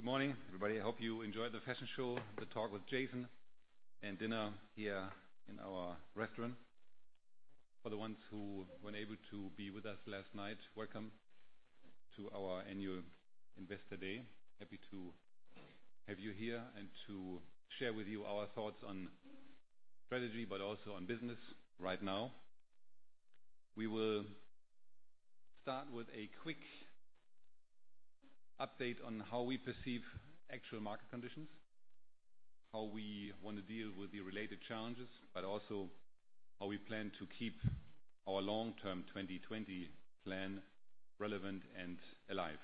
Good morning, everybody. I hope you enjoyed the fashion show, the talk with Jason, and dinner here in our restaurant. For the ones who weren't able to be with us last night, welcome to our annual Investor Day. Happy to have you here and to share with you our thoughts on strategy, but also on business right now. We will start with a quick update on how we perceive actual market conditions, how we want to deal with the related challenges, but also how we plan to keep our long-term 2020 plan relevant and alive.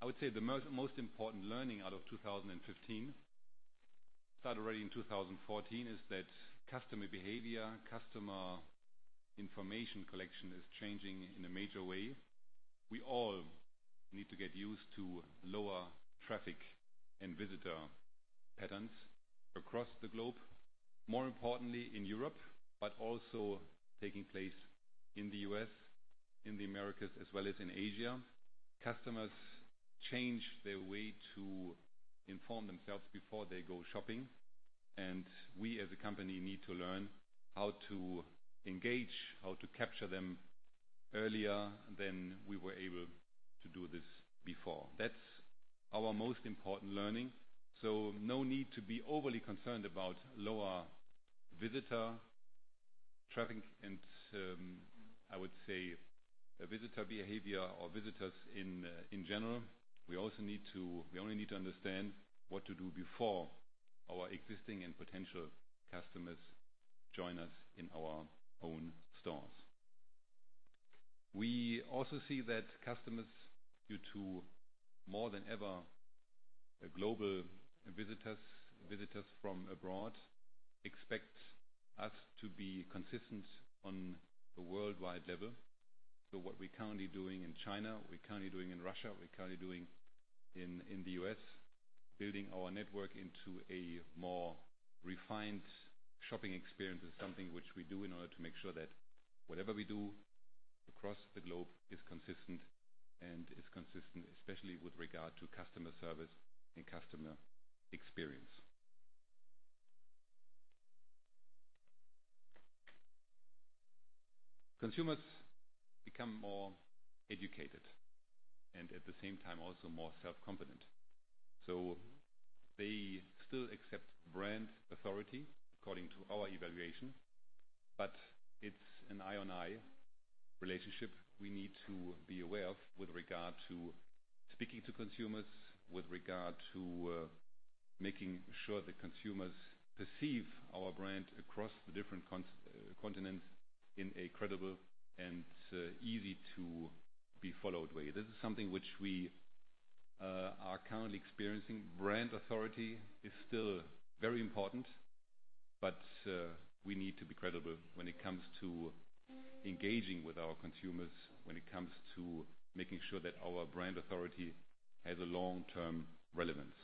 I would say the most important learning out of 2015, started already in 2014, is that customer behavior, customer information collection is changing in a major way. We all need to get used to lower traffic and visitor patterns across the globe. More importantly in Europe, but also taking place in the U.S., in the Americas, as well as in Asia. Customers change their way to inform themselves before they go shopping, we as a company need to learn how to engage, how to capture them earlier than we were able to do this before. That's our most important learning. No need to be overly concerned about lower visitor traffic and, I would say, visitor behavior or visitors in general. We only need to understand what to do before our existing and potential customers join us in our own stores. We also see that customers, due to more than ever global visitors from abroad, expect us to be consistent on a worldwide level. What we're currently doing in China, we're currently doing in Russia, we're currently doing in the U.S., building our network into a more refined shopping experience is something which we do in order to make sure that whatever we do across the globe is consistent, is consistent especially with regard to customer service and customer experience. Consumers become more educated at the same time, also more self-confident. They still accept brand authority according to our evaluation, but it's an eye-on-eye relationship we need to be aware of with regard to speaking to consumers, with regard to making sure that consumers perceive our brand across the different continents in a credible and easy-to-be-followed way. This is something which we are currently experiencing. Brand authority is still very important, we need to be credible when it comes to engaging with our consumers, when it comes to making sure that our brand authority has a long-term relevance.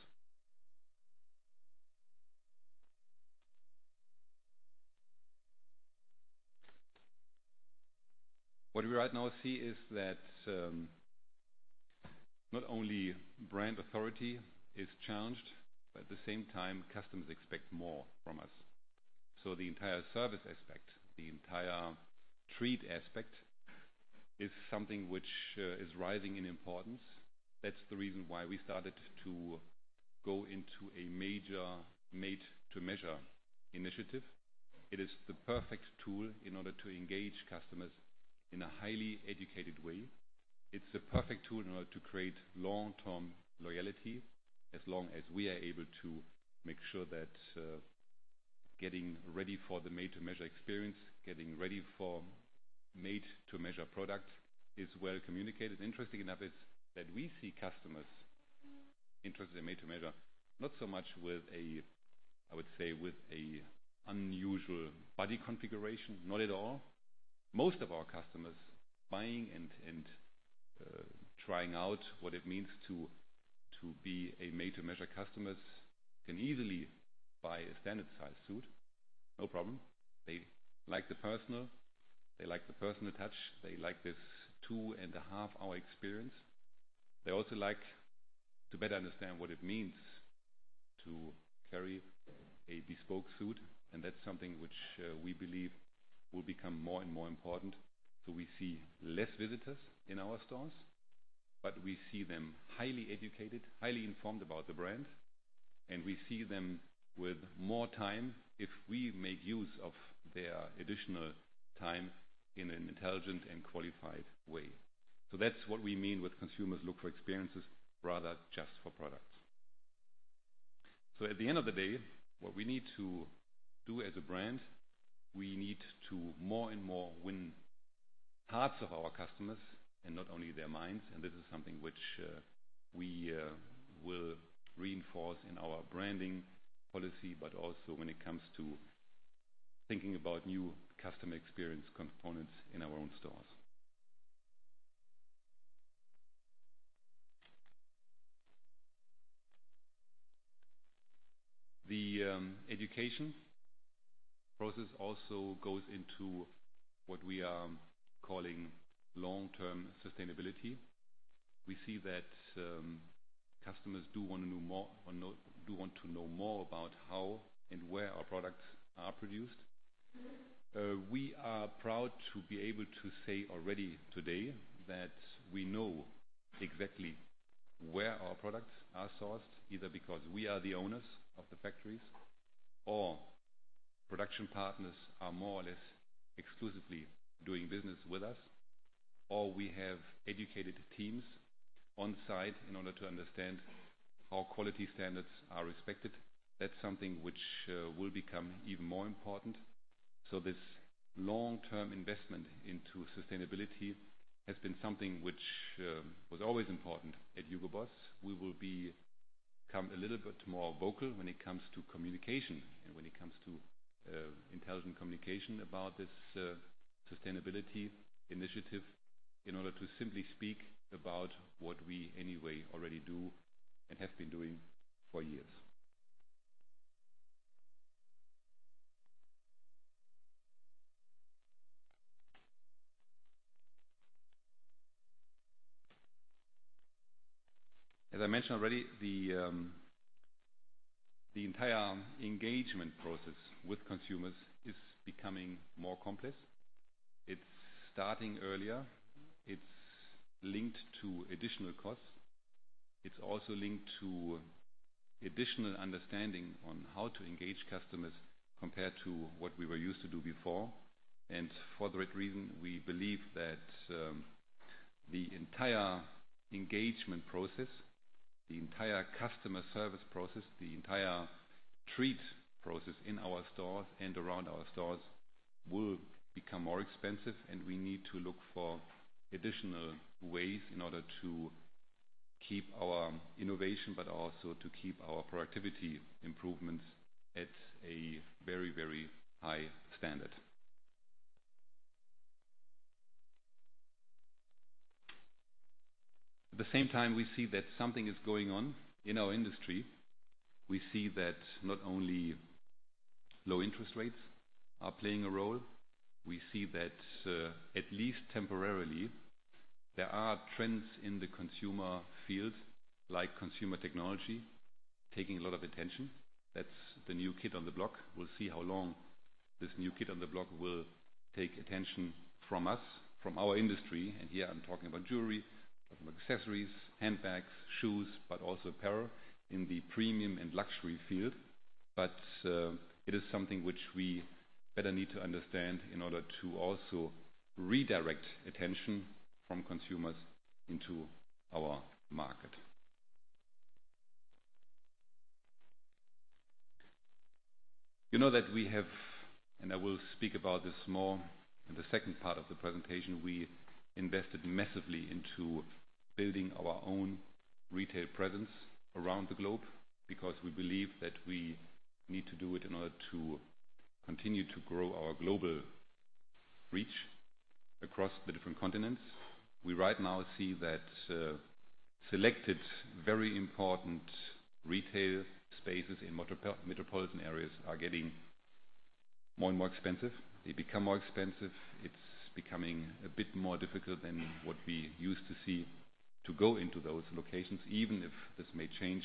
What we right now see is that not only brand authority is challenged, at the same time, customers expect more from us. The entire service aspect, the entire treat aspect, is something which is rising in importance. That's the reason why we started to go into a major made-to-measure initiative. It is the perfect tool in order to engage customers in a highly educated way. It's the perfect tool in order to create long-term loyalty, as long as we are able to make sure that getting ready for the made-to-measure experience, getting ready for made-to-measure product is well communicated. Interesting enough is that we see customers interested in made-to-measure, not so much with a, I would say, with a unusual body configuration. Not at all. Most of our customers buying and trying out what it means to be a made-to-measure customer can easily buy a standard size suit, no problem. They like the personal touch. They like this two-and-a-half-hour experience. They also like to better understand what it means to carry a bespoke suit, and that's something which we believe will become more and more important. We see less visitors in our stores, but we see them highly educated, highly informed about the brand, and we see them with more time if we make use of their additional time in an intelligent and qualified way. That's what we mean with consumers look for experiences rather just for products. At the end of the day, what we need to do as a brand, we need to more and more win hearts of our customers and not only their minds. This is something which we will reinforce in our branding policy, but also when it comes to thinking about new customer experience components in our own stores. The education process also goes into what we are calling long-term sustainability. We see that customers do want to know more about how and where our products are produced. We are proud to be able to say already today that we know exactly where our products are sourced, either because we are the owners of the factories, or production partners are more or less exclusively doing business with us, or we have educated teams on-site in order to understand our quality standards are respected. That's something which will become even more important. This long-term investment into sustainability has been something which was always important at Hugo Boss. We will become a little bit more vocal when it comes to communication and when it comes to intelligent communication about this sustainability initiative in order to simply speak about what we anyway already do and have been doing for years. As I mentioned already, the entire engagement process with consumers is becoming more complex. It's starting earlier. It's linked to additional costs. It's also linked to additional understanding on how to engage customers compared to what we were used to do before. For that reason, we believe that the entire engagement process, the entire customer service process, the entire treat process in our stores and around our stores will become more expensive, and we need to look for additional ways in order to keep our innovation, but also to keep our productivity improvements at a very, very high standard. At the same time, we see that something is going on in our industry. We see that not only low interest rates are playing a role. We see that, at least temporarily, there are trends in the consumer fields, like consumer technology, taking a lot of attention. That's the new kid on the block. We'll see how long this new kid on the block will take attention from us, from our industry. Here I'm talking about jewelry, accessories, handbags, shoes, but also apparel in the premium and luxury field. It is something which we better need to understand in order to also redirect attention from consumers into our market. You know that we have, and I will speak about this more in the second part of the presentation, we invested massively into building our own retail presence around the globe because we believe that we need to do it in order to continue to grow our global reach across the different continents. We right now see that selected very important retail spaces in metropolitan areas are getting more and more expensive. They become more expensive. It is becoming a bit more difficult than what we used to see to go into those locations, even if this may change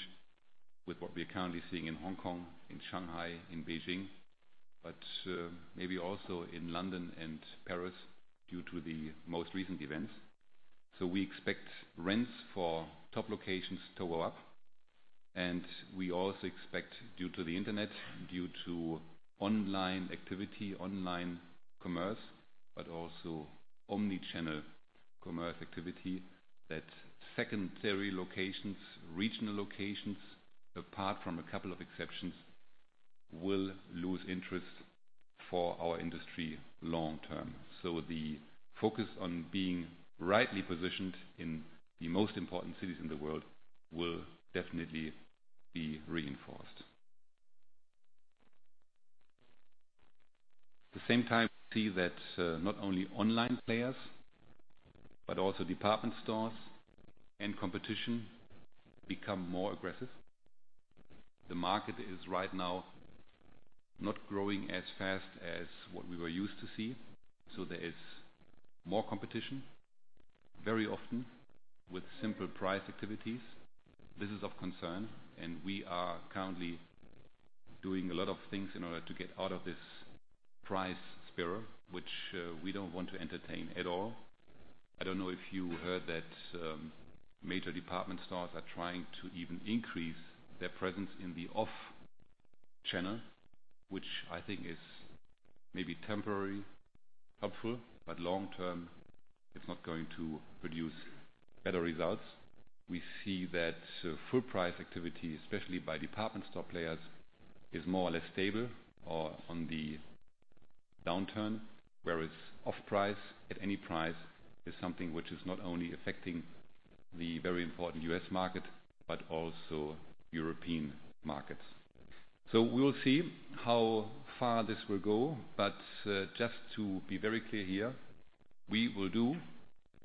with what we are currently seeing in Hong Kong, in Shanghai, in Beijing, but maybe also in London and Paris due to the most recent events. We expect rents for top locations to go up. We also expect due to the internet, due to online activity, online commerce, but also omnichannel commerce activity, that secondary locations, regional locations, apart from a couple of exceptions, will lose interest for our industry long-term. The focus on being rightly positioned in the most important cities in the world will definitely be reinforced. At the same time, we see that not only online players, but also department stores and competition become more aggressive. The market is right now not growing as fast as what we were used to see. There is more competition, very often with simple price activities. This is of concern, and we are currently doing a lot of things in order to get out of this price spiral, which we don't want to entertain at all. I don't know if you heard that major department stores are trying to even increase their presence in the off-channel, which I think is maybe temporary helpful, but long-term, it is not going to produce better results. We see that full-price activity, especially by department store players, is more or less stable or on the downturn, whereas off-price at any price is something which is not only affecting the very important U.S. market but also European markets. We will see how far this will go, but just to be very clear here, we will do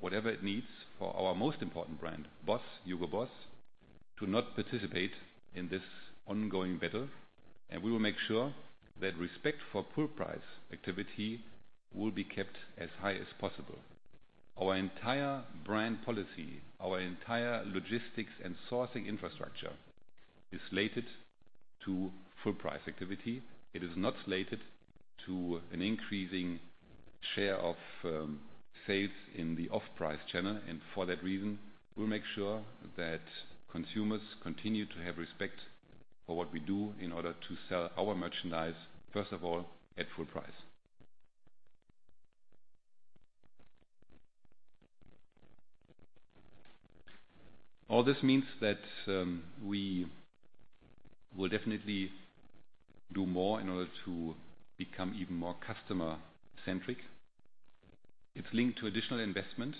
whatever it needs for our most important brand, BOSS, Hugo Boss, to not participate in this ongoing battle. We will make sure that respect for full price activity will be kept as high as possible. Our entire brand policy, our entire logistics and sourcing infrastructure is slated to full price activity. It is not slated to an increasing share of sales in the off-price channel. For that reason, we will make sure that consumers continue to have respect for what we do in order to sell our merchandise, first of all, at full price. All this means that we will definitely do more in order to become even more customer-centric. It is linked to additional investment,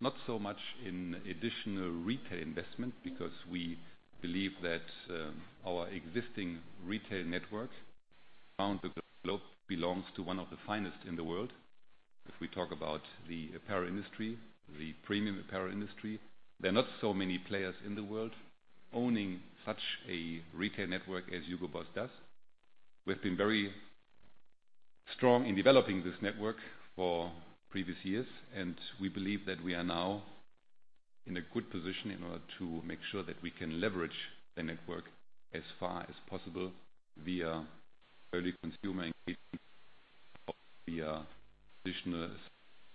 not so much in additional retail investment, because we believe that our existing retail network around the globe belongs to one of the finest in the world. If we talk about the apparel industry, the premium apparel industry, there are not so many players in the world owning such a retail network as Hugo Boss does. We've been very strong in developing this network for previous years. We believe that we are now in a good position in order to make sure that we can leverage the network as far as possible via early consumer engagement via additional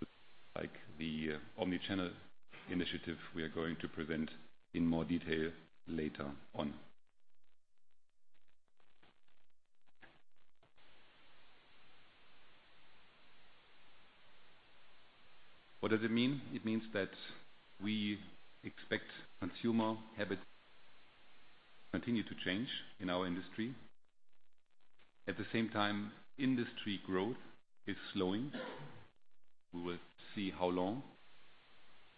solutions like the omnichannel initiative we are going to present in more detail later on. What does it mean? It means that we expect consumer habits continue to change in our industry. At the same time, industry growth is slowing. We will see how long.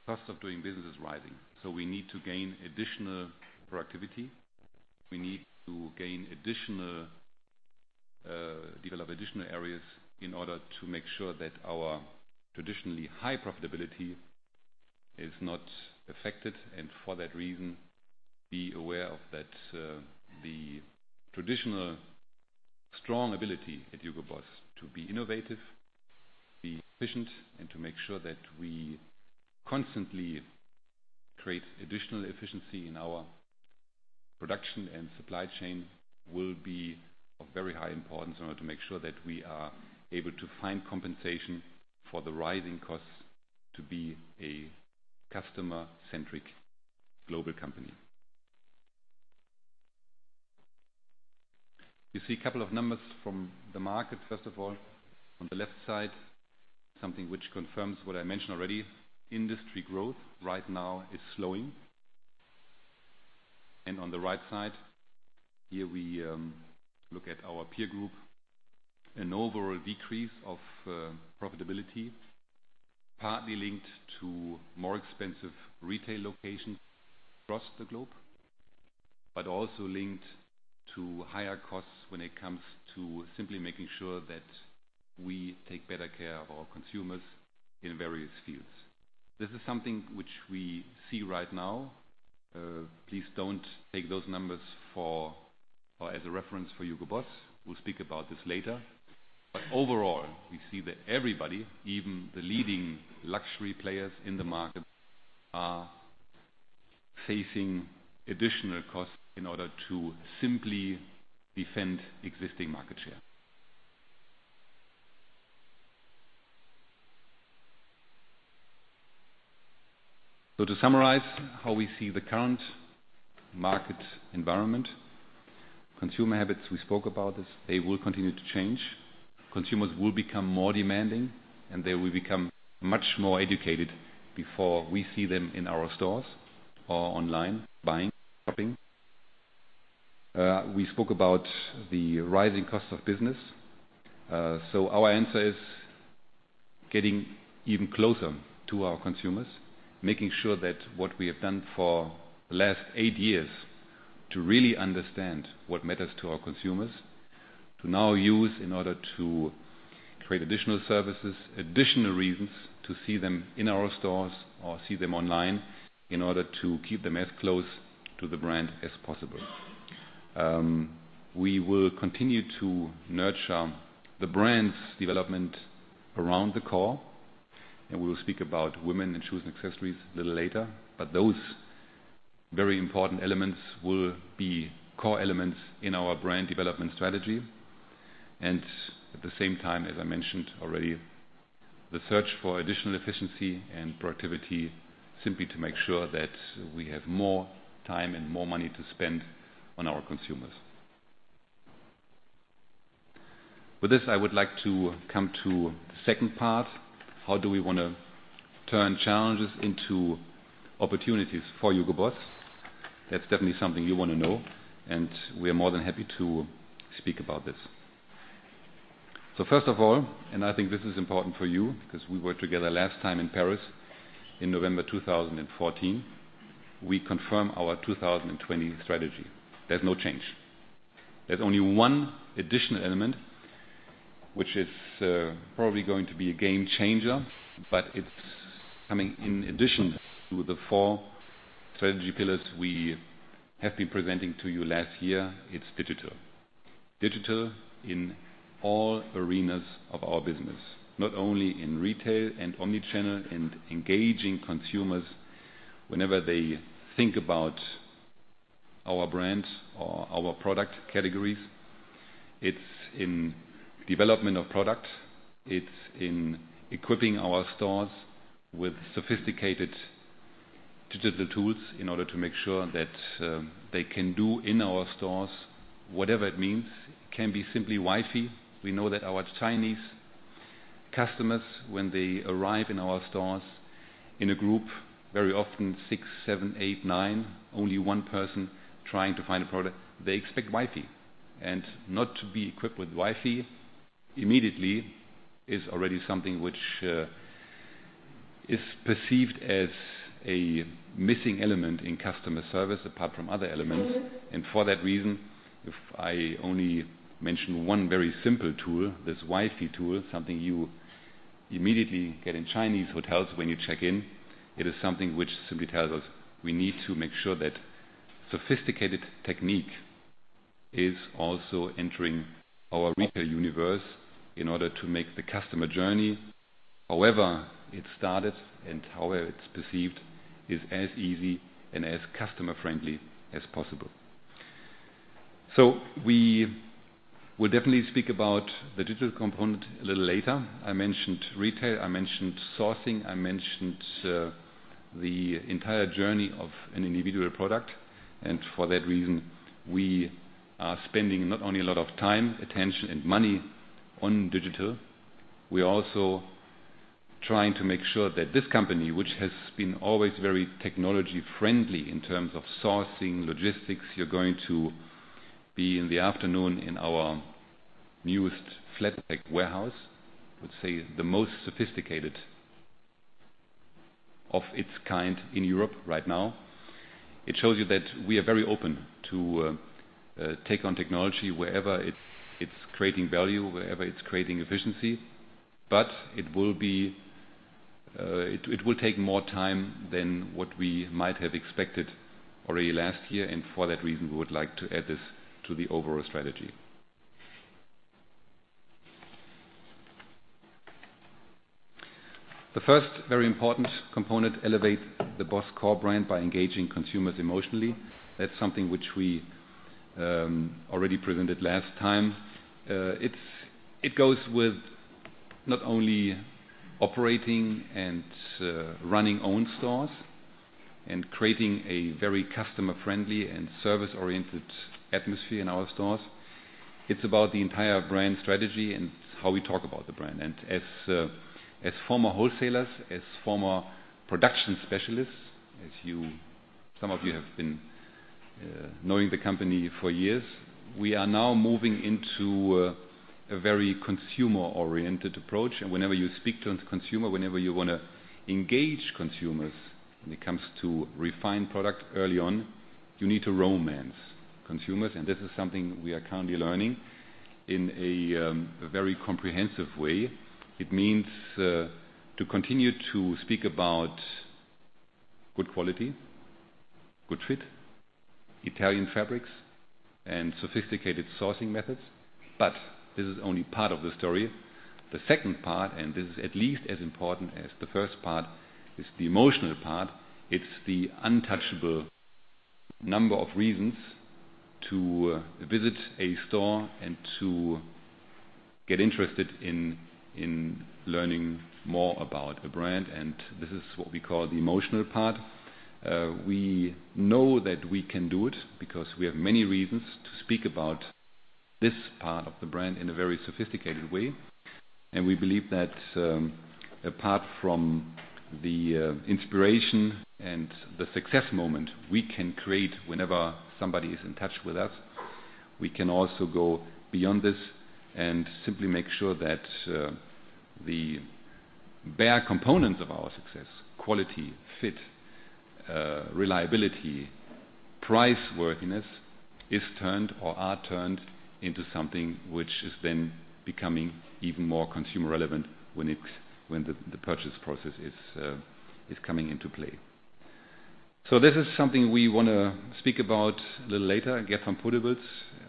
Cost of doing business is rising. We need to gain additional productivity. We need to develop additional areas in order to make sure that our traditionally high profitability is not affected. For that reason, be aware of that the traditional strong ability at Hugo Boss to be innovative, be efficient, and to make sure that we constantly create additional efficiency in our production and supply chain will be of very high importance in order to make sure that we are able to find compensation for the rising costs to be a customer-centric global company. You see a couple of numbers from the market. First of all, on the left side, something which confirms what I mentioned already, industry growth right now is slowing. On the right side, here we look at our peer group. An overall decrease of profitability, partly linked to more expensive retail locations across the globe, but also linked to higher costs when it comes to simply making sure that we take better care of our consumers in various fields. This is something which we see right now. Please don't take those numbers as a reference for Hugo Boss. We'll speak about this later. Overall, we see that everybody, even the leading luxury players in the market, are facing additional costs in order to simply defend existing market share. To summarize how we see the current market environment. Consumer habits, we spoke about this, they will continue to change. Consumers will become more demanding, and they will become much more educated before we see them in our stores or online buying, shopping. We spoke about the rising cost of business. Our answer is getting even closer to our consumers, making sure that what we have done for the last eight years to really understand what matters to our consumers, to now use in order to create additional services, additional reasons to see them in our stores or see them online in order to keep them as close to the brand as possible. We will continue to nurture the brand's development around the core. We will speak about women and shoes and accessories a little later. Those very important elements will be core elements in our brand development strategy. At the same time, as I mentioned already, the search for additional efficiency and productivity, simply to make sure that we have more time and more money to spend on our consumers. With this, I would like to come to the second part. How do we want to turn challenges into opportunities for Hugo Boss? That's definitely something you want to know. We are more than happy to speak about this. First of all, I think this is important for you because we were together last time in Paris in November 2014. We confirm our 2020 strategy. There is no change. There is only one additional element, which is probably going to be a game changer, but it's coming in addition to the four strategy pillars we have been presenting to you last year. It's digital. Digital in all arenas of our business, not only in retail and omnichannel and engaging consumers whenever they think about our brands or our product categories. It's in development of products. It's in equipping our stores with sophisticated digital tools in order to make sure that they can do in our stores whatever it means. It can be simply Wi-Fi. We know that our Chinese customers, when they arrive in our stores in a group, very often six, seven, eight, nine, only one person trying to find a product, they expect Wi-Fi. Not to be equipped with Wi-Fi immediately is already something which is perceived as a missing element in customer service apart from other elements. For that reason, if I only mention one very simple tool, this Wi-Fi tool. Something you immediately get in Chinese hotels when you check in. It is something which simply tells us we need to make sure that sophisticated technique is also entering our retail universe in order to make the customer journey, however it started and however it's perceived, is as easy and as customer-friendly as possible. We will definitely speak about the digital component a little later. I mentioned retail. I mentioned sourcing. I mentioned the entire journey of an individual product. For that reason, we are spending not only a lot of time, attention, and money on digital. We are also trying to make sure that this company, which has been always very technology-friendly in terms of sourcing, logistics. You're going to be in the afternoon in our newest flat pack warehouse. I would say the most sophisticated of its kind in Europe right now. It shows you that we are very open to take on technology wherever it's creating value, wherever it's creating efficiency. It will take more time than what we might have expected already last year. For that reason, we would like to add this to the overall strategy. The first very important component, elevate the BOSS core brand by engaging consumers emotionally. That's something which we already presented last time. It goes with not only operating and running own stores and creating a very customer-friendly and service-oriented atmosphere in our stores. It's about the entire brand strategy and how we talk about the brand. As former wholesalers, as former production specialists. As some of you have been knowing the company for years. We are now moving into a very consumer-oriented approach, whenever you speak to the consumer, whenever you want to engage consumers when it comes to refined product early on, you need to romance consumers, and this is something we are currently learning in a very comprehensive way. It means to continue to speak about good quality, good fit, Italian fabrics, and sophisticated sourcing methods. This is only part of the story. The second part, this is at least as important as the first part, is the emotional part. It's the untouchable number of reasons to visit a store and to get interested in learning more about a brand, this is what we call the emotional part. We know that we can do it because we have many reasons to speak about this part of the brand in a very sophisticated way. We believe that apart from the inspiration and the success moment we can create whenever somebody is in touch with us. We can also go beyond this and simply make sure that the bare components of our success, quality, fit, reliability, price worthiness, are turned into something which is then becoming even more consumer relevant when the purchase process is coming into play. This is something we want to speak about a little later. Gert van Poortvliet,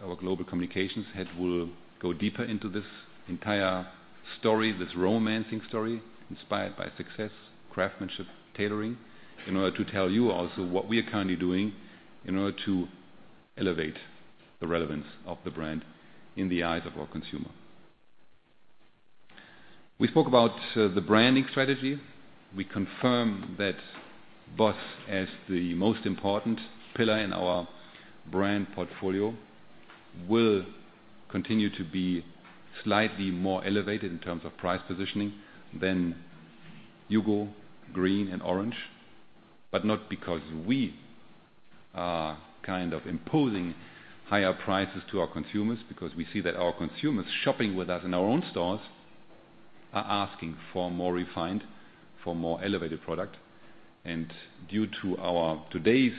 our global communications head, will go deeper into this entire story. This romancing story inspired by success, craftsmanship, tailoring, in order to tell you also what we are currently doing in order to elevate the relevance of the brand in the eyes of our consumer. We spoke about the branding strategy. We confirm that BOSS as the most important pillar in our brand portfolio will continue to be slightly more elevated in terms of price positioning than HUGO, BOSS Green, and BOSS Orange. Not because we are imposing higher prices to our consumers because we see that our consumers shopping with us in our own stores are asking for more refined, for more elevated product. Due to our today's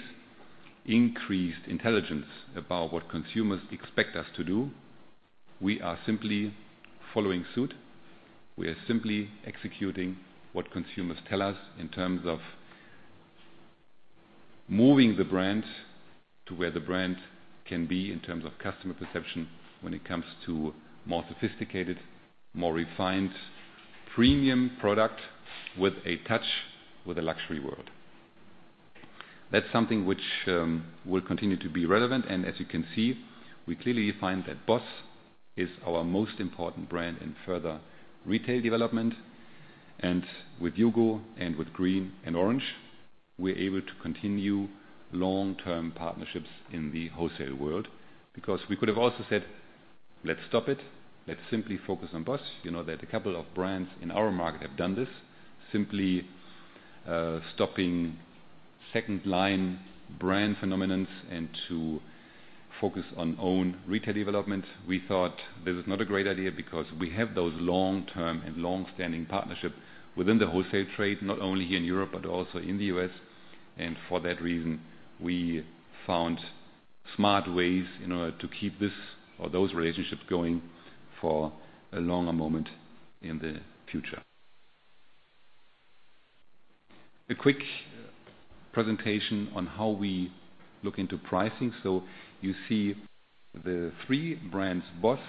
increased intelligence about what consumers expect us to do, we are simply following suit. We are simply executing what consumers tell us in terms of moving the brand to where the brand can be in terms of customer perception when it comes to more sophisticated, more refined premium product with a touch with a luxury world. That's something which will continue to be relevant, as you can see, we clearly find that BOSS is our most important brand in further retail development. With HUGO and with BOSS Green and BOSS Orange, we're able to continue long-term partnerships in the wholesale world. Because we could have also said, "Let's stop it." Let's simply focus on BOSS. There are a couple of brands in our market have done this, simply stopping second-line brand phenomenons and to focus on own retail development. We thought this is not a great idea because we have those long-term and long-standing partnership within the wholesale trade, not only here in Europe but also in the U.S. For that reason, we found smart ways in order to keep this or those relationships going for a longer moment in the future. A quick presentation on how we look into pricing. You see the three brands, BOSS,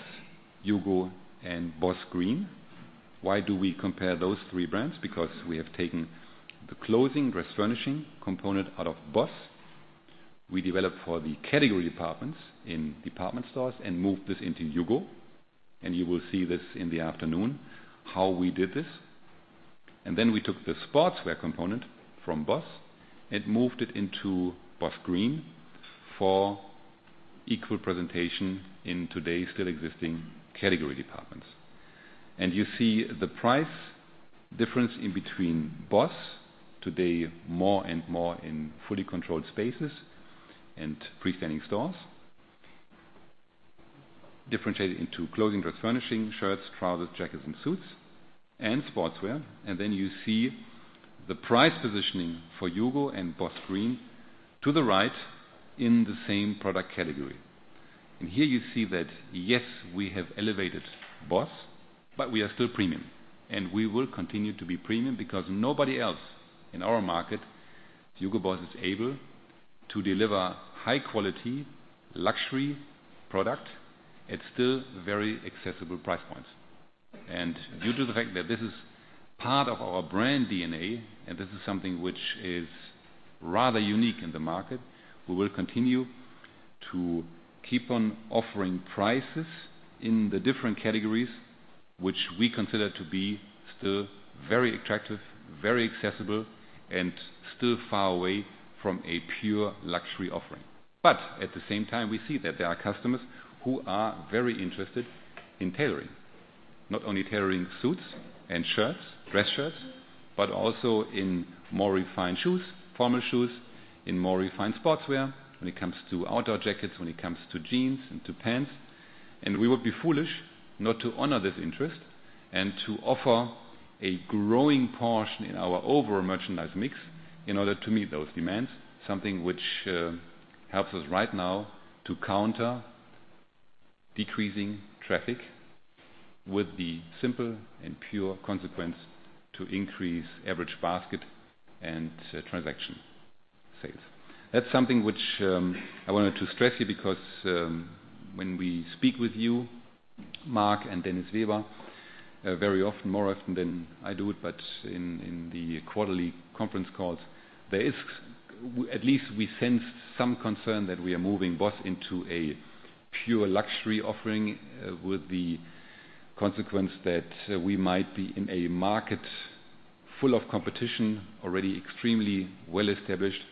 HUGO, and BOSS Green. Why do we compare those three brands? We have taken the clothing, dress furnishing component out of BOSS. We developed for the category departments in department stores and moved this into HUGO. You will see this in the afternoon, how we did this. We took the sportswear component from BOSS and moved it into BOSS Green for equal presentation in today's still existing category departments. You see the price difference in between BOSS today more and more in fully controlled spaces and free-standing stores. Differentiated into clothing, dress furnishing, shirts, trousers, jackets, and suits, and sportswear. You see the price positioning for HUGO and BOSS Green to the right in the same product category. Here you see that, yes, we have elevated BOSS, but we are still premium. We will continue to be premium because nobody else in our market, Hugo Boss, is able to deliver high-quality, luxury product at still very accessible price points. Due to the fact that this is part of our brand DNA, this is something which is rather unique in the market, we will continue to keep on offering prices in the different categories, which we consider to be still very attractive, very accessible, and still far away from a pure luxury offering. At the same time, we see that there are customers who are very interested in tailoring. Not only tailoring suits and shirts, dress shirts, but also in more refined shoes, formal shoes, in more refined sportswear when it comes to outdoor jackets, when it comes to jeans, and to pants. We would be foolish not to honor this interest and to offer a growing portion in our overall merchandise mix in order to meet those demands. Something which helps us right now to counter decreasing traffic with the simple and pure consequence to increase average basket and transaction sales. That's something which I wanted to stress here because when we speak with you, Mark Langer and Dennis Weber, very often, more often than I do it, in the quarterly conference calls, at least we sense some concern that we are moving BOSS into a pure luxury offering with the consequence that we might be in a market full of competition, already extremely well-established.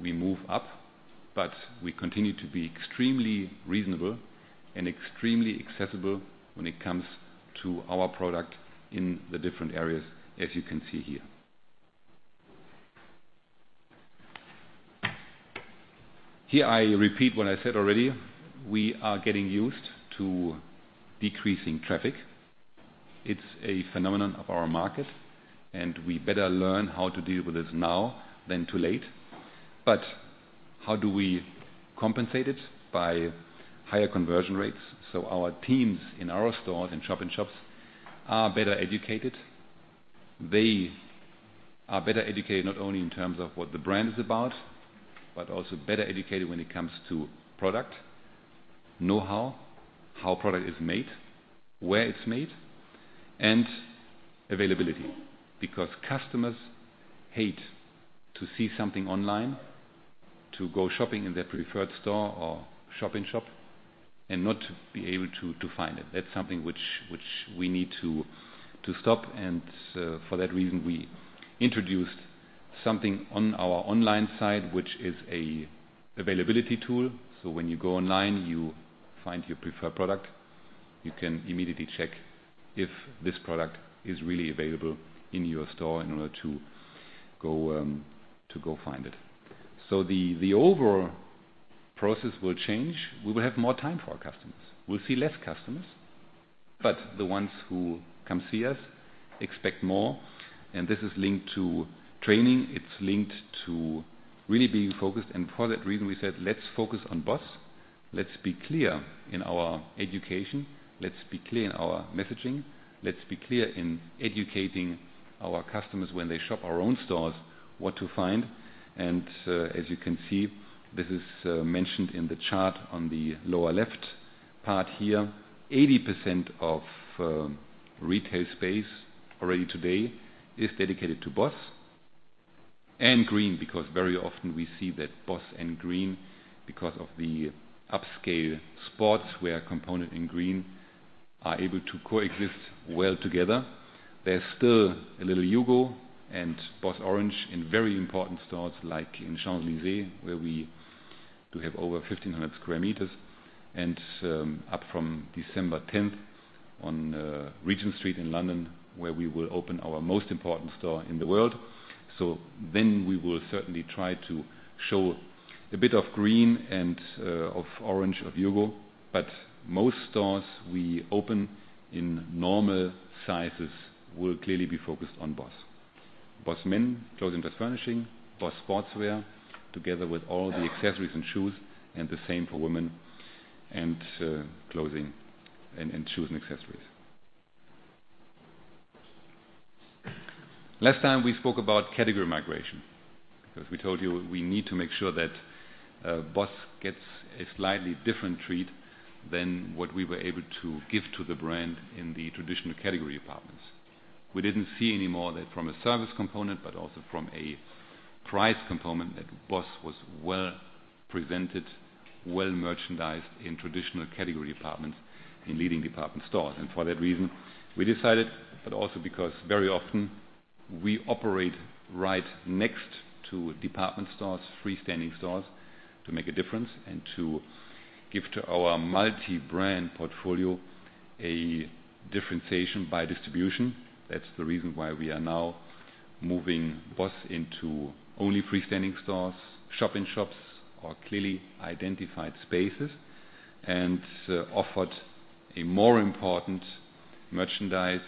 We move up, we continue to be extremely reasonable and extremely accessible when it comes to our product in the different areas, as you can see here. Here, I repeat what I said already. We are getting used to decreasing traffic. It's a phenomenon of our market, we better learn how to deal with this now than too late. How do we compensate it? By higher conversion rates. Our teams in our stores and shop-in-shops are better educated. They are better educated not only in terms of what the brand is about, but also better educated when it comes to product, know-how, how product is made, where it's made, and availability. Customers hate to see something online, to go shopping in their preferred store or shop-in-shop and not be able to find it. That's something which we need to stop, for that reason, we introduced something on our online site, which is an availability tool. When you go online, you find your preferred product. You can immediately check if this product is really available in your store in order to go find it. The overall process will change. We will have more time for our customers. We'll see less customers, but the ones who come see us expect more, and this is linked to training. It's linked to really being focused. For that reason, we said, "Let's focus on BOSS. Let's be clear in our education. Let's be clear in our messaging. Let's be clear in educating our customers when they shop our own stores what to find." As you can see, this is mentioned in the chart on the lower left part here. 80% of retail space already today is dedicated to BOSS and GREEN because very often we see that BOSS and GREEN, because of the upscale sportswear component in GREEN, are able to coexist well together. There's still a little HUGO and BOSS Orange in very important stores like in Champs-Élysées, where we do have over 1,500 sq m. Up from December 10th on Regent Street in London, where we will open our most important store in the world. We will certainly try to show a bit of GREEN and of Orange, of HUGO. Most stores we open in normal sizes will clearly be focused on BOSS. BOSS Men clothing and furnishing, BOSS sportswear, together with all the accessories and shoes. The same for women and clothing and shoes and accessories. Last time we spoke about category migration. We told you we need to make sure that BOSS gets a slightly different treat than what we were able to give to the brand in the traditional category departments. We didn't see any more that from a service component, but also from a price component, that BOSS was well-presented, well-merchandised in traditional category departments in leading department stores. For that reason, we decided, but also because very often we operate right next to department stores, freestanding stores, to make a difference and to give to our multi-brand portfolio a differentiation by distribution. That's the reason why we are now moving BOSS into only freestanding stores. Shop-in-shops or clearly identified spaces. Offered a more important merchandise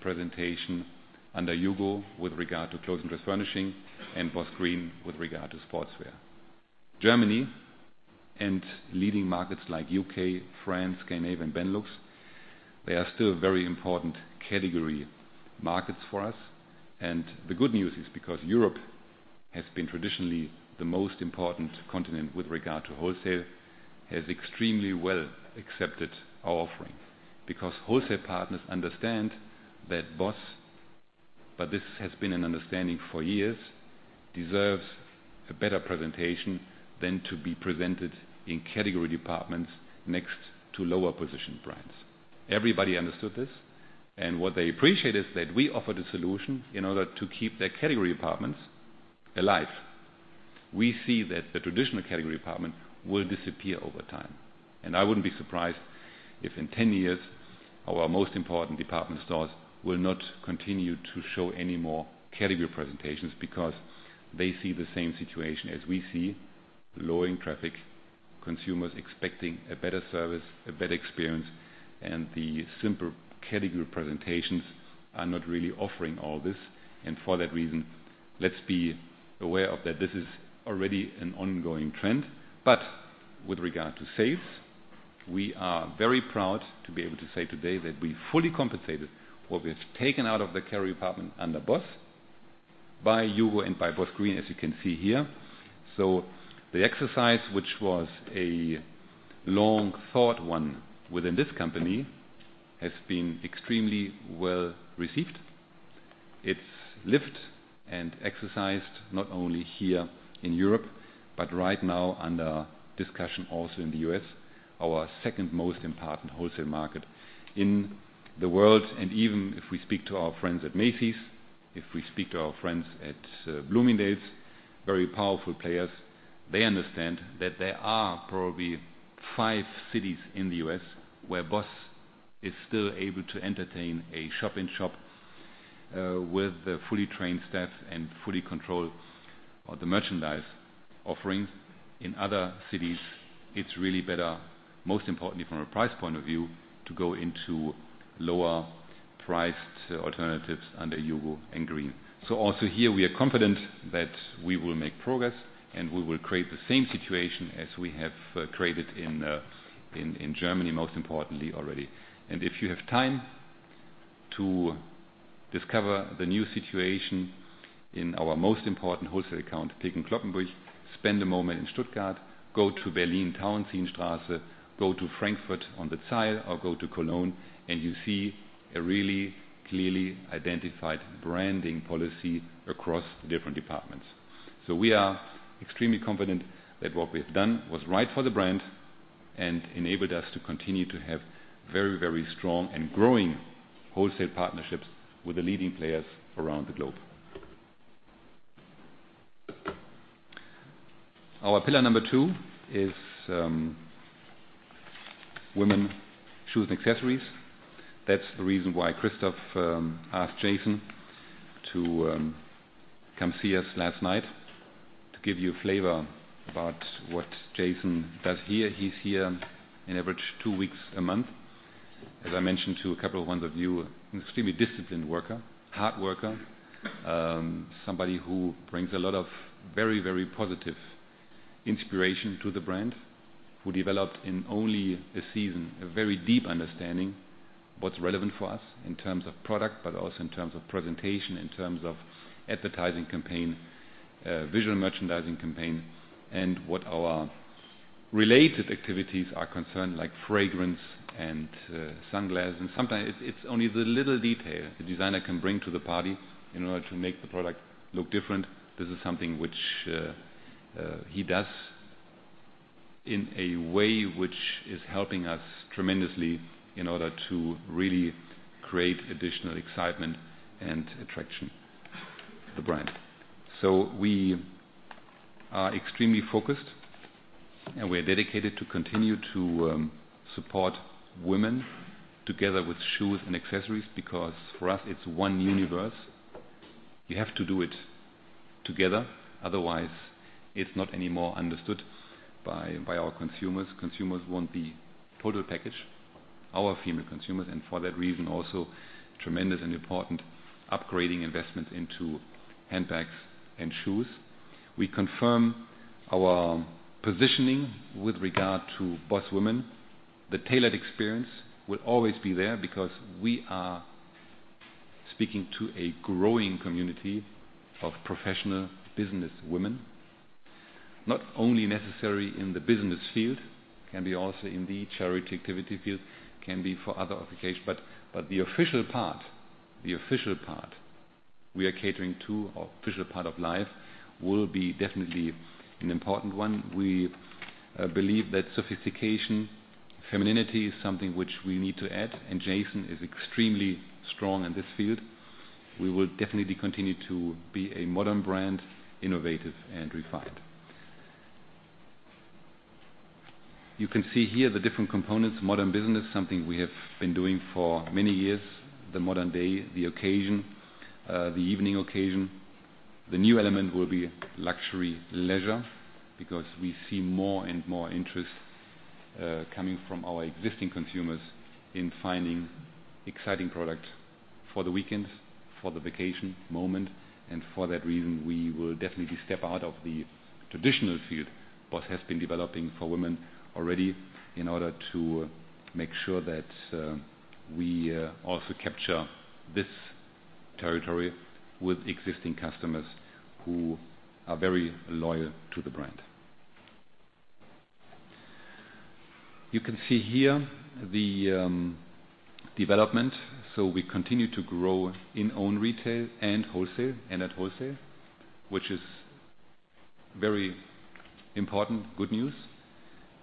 presentation under HUGO with regard to clothing and furnishing and BOSS GREEN with regard to sportswear. Germany and leading markets like U.K., France, Scandi, and Benelux, they are still very important category markets for us. The good news is, because Europe has been traditionally the most important continent with regard to wholesale, has extremely well accepted our offering. Wholesale partners understand that BOSS, but this has been an understanding for years, deserves a better presentation than to be presented in category departments next to lower-positioned brands. Everybody understood this, what they appreciate is that we offered a solution in order to keep their category departments alive. We see that the traditional category department will disappear over time. I wouldn't be surprised if in 10 years, our most important department stores will not continue to show any more category presentations because they see the same situation as we see. Lowering traffic, consumers expecting a better service, a better experience, the simpler category presentations are not really offering all this. For that reason, let's be aware of that this is already an ongoing trend. With regard to sales, we are very proud to be able to say today that we fully compensated what we have taken out of the category department under BOSS by HUGO and by BOSS Green, as you can see here. The exercise, which was a long-thought one within this company, has been extremely well-received. It is lived and exercised not only here in Europe, but right now under discussion also in the U.S., our second most important wholesale market in the world. Even if we speak to our friends at Macy's, if we speak to our friends at Bloomingdale's, very powerful players. They understand that there are probably five cities in the U.S. where BOSS is still able to entertain a shop-in-shop with a fully trained staff and fully control the merchandise offerings. In other cities, it is really better, most importantly from a price point of view, to go into lower-priced alternatives under HUGO and Green. Also here, we are confident that we will make progress and we will create the same situation as we have created in Germany, most importantly already. If you have time to discover the new situation in our most important wholesale account, Galeria Kaufhof, spend a moment in Stuttgart. Go to Berlin, Tauentzienstraße. Go to Frankfurt on the Zeil or go to Cologne, and you see a really clearly identified branding policy across the different departments. We are extremely confident that what we have done was right for the brand and enabled us to continue to have very strong and growing wholesale partnerships with the leading players around the globe. Our pillar number two is women shoes and accessories. That is the reason why Christoph asked Jason to come see us last night. To give you a flavor about what Jason does here, he is here an average two weeks a month. As I mentioned to a couple of ones of you, an extremely disciplined worker, hard worker, somebody who brings a lot of very positive inspiration to the brand, who developed in only a season a very deep understanding what is relevant for us in terms of product, but also in terms of presentation, in terms of advertising campaign, visual merchandising campaign, and what our related activities are concerned, like fragrance and sunglasses. Sometimes it is only the little detail the designer can bring to the party in order to make the product look different. This is something which he does in a way which is helping us tremendously in order to really create additional excitement and attraction to the brand. We are extremely focused, and we are dedicated to continue to support women together with shoes and accessories, because for us it is one universe. You have to do it together. Otherwise, it is not any more understood by our consumers. Consumers want the total package, our female consumers, and for that reason, also tremendous and important upgrading investment into handbags and shoes. We confirm our positioning with regard to BOSS women. The tailored experience will always be there because we are speaking to a growing community of professional businesswomen. Not only necessary in the business field, can be also in the charity activity field, can be for other occasions, but the official part we are catering to, official part of life, will be definitely an important one. We believe that sophistication, femininity, is something which we need to add, and Jason is extremely strong in this field. We will definitely continue to be a modern brand, innovative and refined. You can see here the different components. Modern business, something we have been doing for many years. The modern day, the occasion, the evening occasion. The new element will be luxury leisure, because we see more and more interest coming from our existing consumers in finding exciting product for the weekends, for the vacation moment, and for that reason, we will definitely step out of the traditional field BOSS has been developing for women already in order to make sure that we also capture this territory with existing customers who are very loyal to the brand. You can see here the development. We continue to grow in own retail and at wholesale, which is very important good news.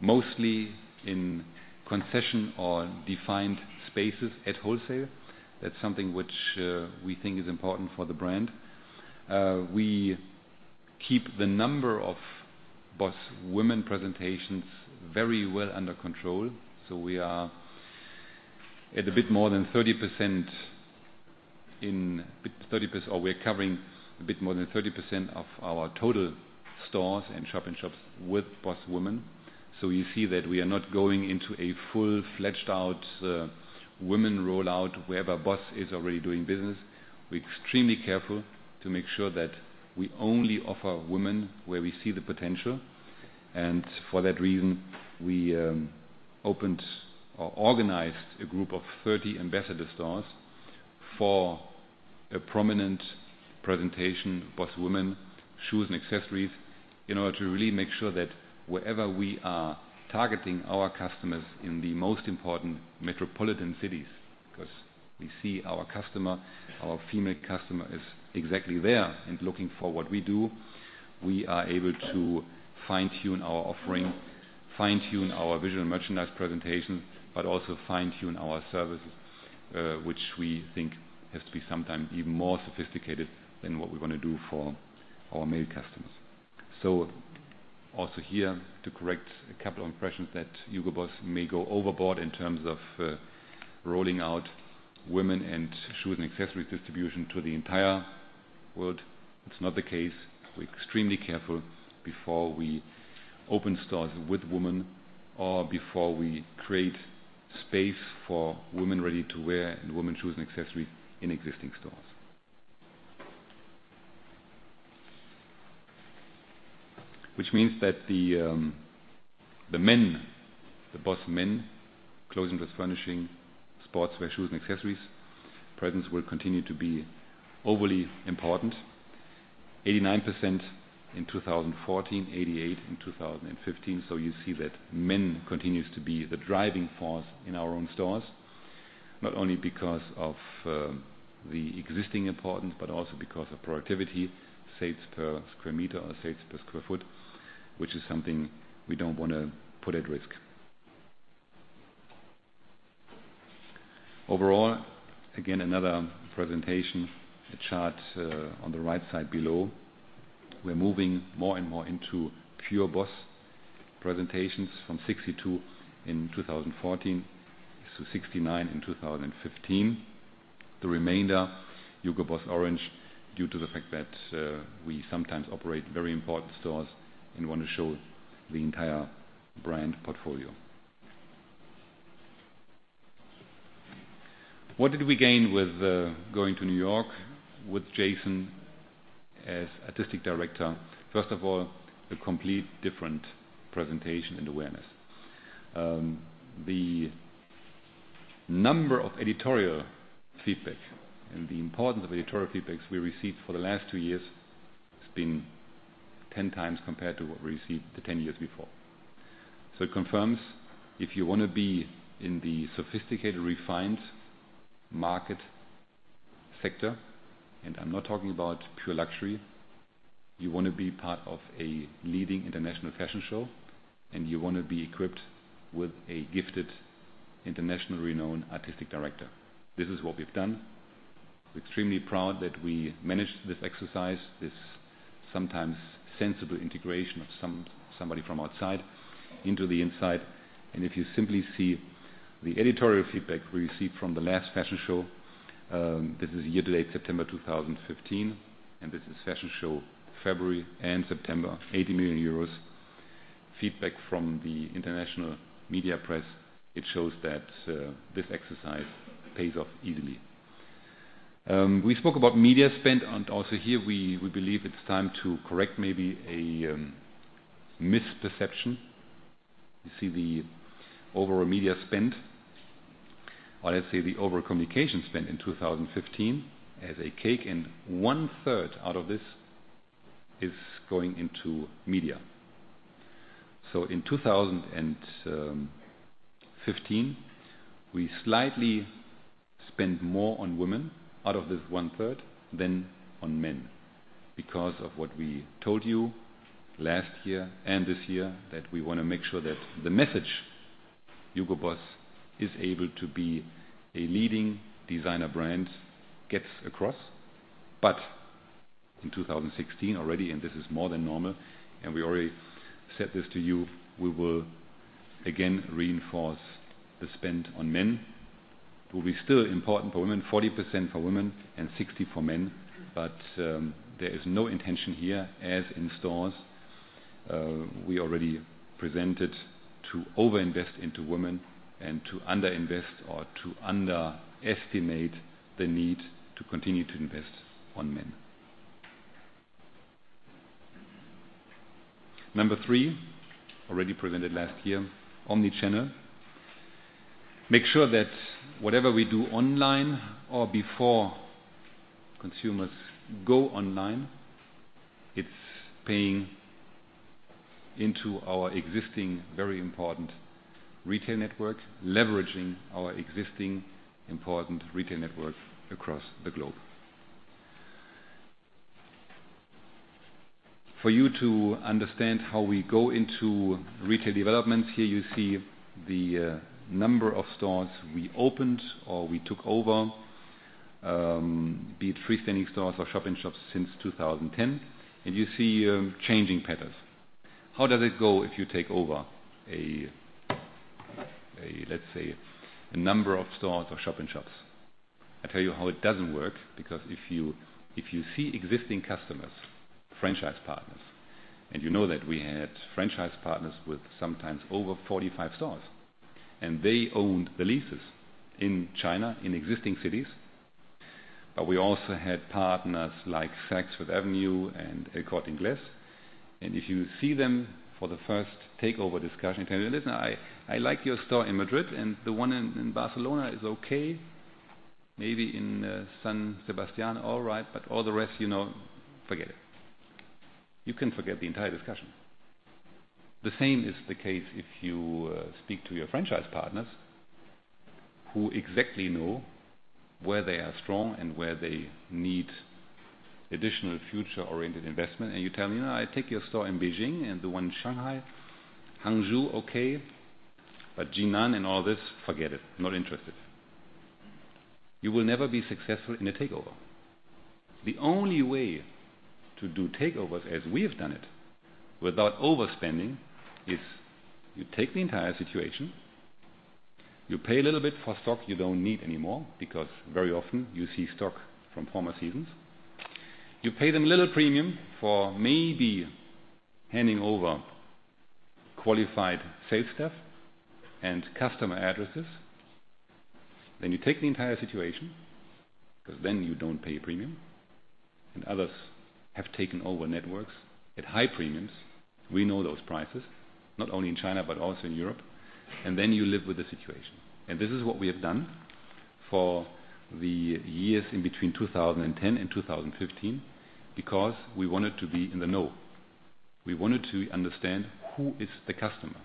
Mostly in concession or defined spaces at wholesale. That's something which we think is important for the brand. We keep the number of BOSS women presentations very well under control. We are at a bit more than 30% or we are covering a bit more than 30% of our total stores and shop-in-shops with BOSS women. You see that we are not going into a full-fledged out women rollout wherever BOSS is already doing business. We're extremely careful to make sure that we only offer women where we see the potential. For that reason, we opened or organized a group of 30 ambassador stores for a prominent presentation, BOSS women shoes and accessories, in order to really make sure that wherever we are targeting our customers in the most important metropolitan cities, because we see our customer, our female customer, is exactly there and looking for what we do. We are able to fine-tune our offering, fine-tune our visual merchandise presentation, but also fine-tune our services, which we think has to be sometimes even more sophisticated than what we want to do for our male customers. Also here to correct a couple of impressions that Hugo Boss may go overboard in terms of rolling out women and shoes and accessories distribution to the entire world. It's not the case. We're extremely careful before we open stores with women or before we create space for women ready-to-wear and women shoes and accessories in existing stores. Which means that the BOSS men clothing, with furnishing sportswear, shoes, and accessories presence will continue to be overly important, 89% in 2014, 88% in 2015. You see that men continues to be the driving force in our own stores, not only because of the existing importance, but also because of productivity, sales per square meter or sales per square foot, which is something we don't want to put at risk. Overall, again, another presentation, a chart on the right side below. We're moving more and more into pure BOSS presentations from 62 in 2014 to 69 in 2015. The remainder, Hugo Boss Orange, due to the fact that we sometimes operate very important stores and want to show the entire brand portfolio. What did we gain with going to New York with Jason as artistic director? First of all, a complete different presentation and awareness. The number of editorial feedback and the importance of editorial feedbacks we received for the last two years has been 10 times compared to what we received the 10 years before. It confirms if you want to be in the sophisticated, refined market sector, and I'm not talking about pure luxury, you want to be part of a leading international fashion show, and you want to be equipped with a gifted, internationally renowned artistic director. This is what we've done. We're extremely proud that we managed this exercise, this sometimes sensible integration of somebody from outside into the inside. If you simply see the editorial feedback we received from the last fashion show, this is year-to-date September 2015, and this is fashion show February and September, 80 million euros. Feedback from the international media press, it shows that this exercise pays off easily. We spoke about media spend, and also here, we believe it's time to correct maybe a misperception. You see the overall media spend, or let's say the overall communication spend in 2015 as a cake, and one-third out of this is going into media. In 2015, we slightly spent more on women out of this one-third than on men. Because of what we told you last year and this year, that we want to make sure that the message Hugo Boss is able to be a leading designer brand gets across. In 2016 already, and this is more than normal, and we already said this to you, we will again reinforce the spend on men. It will be still important for women, 40% for women and 60% for men. There is no intention here, as in stores we already presented, to over-invest into women and to under-invest or to underestimate the need to continue to invest on men. Number three, already presented last year, omnichannel. Make sure that whatever we do online or before consumers go online, it's paying into our existing, very important retail network, leveraging our existing important retail network across the globe. For you to understand how we go into retail developments here, you see the number of stores we opened, or we took over, be it freestanding stores or shop-in-shops since 2010. You see changing patterns. How does it go if you take over, let's say, a number of stores or shop-in-shops? I tell you how it doesn't work, because if you see existing customers, franchise partners, and you know that we had franchise partners with sometimes over 45 stores, and they owned the leases in China, in existing cities. We also had partners like Saks Fifth Avenue and El Corte Inglés. If you see them for the first takeover discussion, tell you, "Listen, I like your store in Madrid, and the one in Barcelona is okay. Maybe in San Sebastián, all right. All the rest, forget it." You can forget the entire discussion. The same is the case if you speak to your franchise partners who exactly know where they are strong and where they need additional future-oriented investment. You tell me, "I take your store in Beijing and the one in Shanghai. Hangzhou, okay. Jinan and all this, forget it. Not interested." You will never be successful in a takeover. The only way to do takeovers as we have done it without overspending is you take the entire situation. You pay a little bit for stock you don't need anymore because very often you see stock from former seasons. You pay them a little premium for maybe handing over qualified sales staff and customer addresses. You take the entire situation because then you don't pay a premium. Others have taken over networks at high premiums. We know those prices, not only in China but also in Europe. Then you live with the situation. This is what we have done for the years in between 2010 and 2015 because we wanted to be in the know. We wanted to understand who is the customer.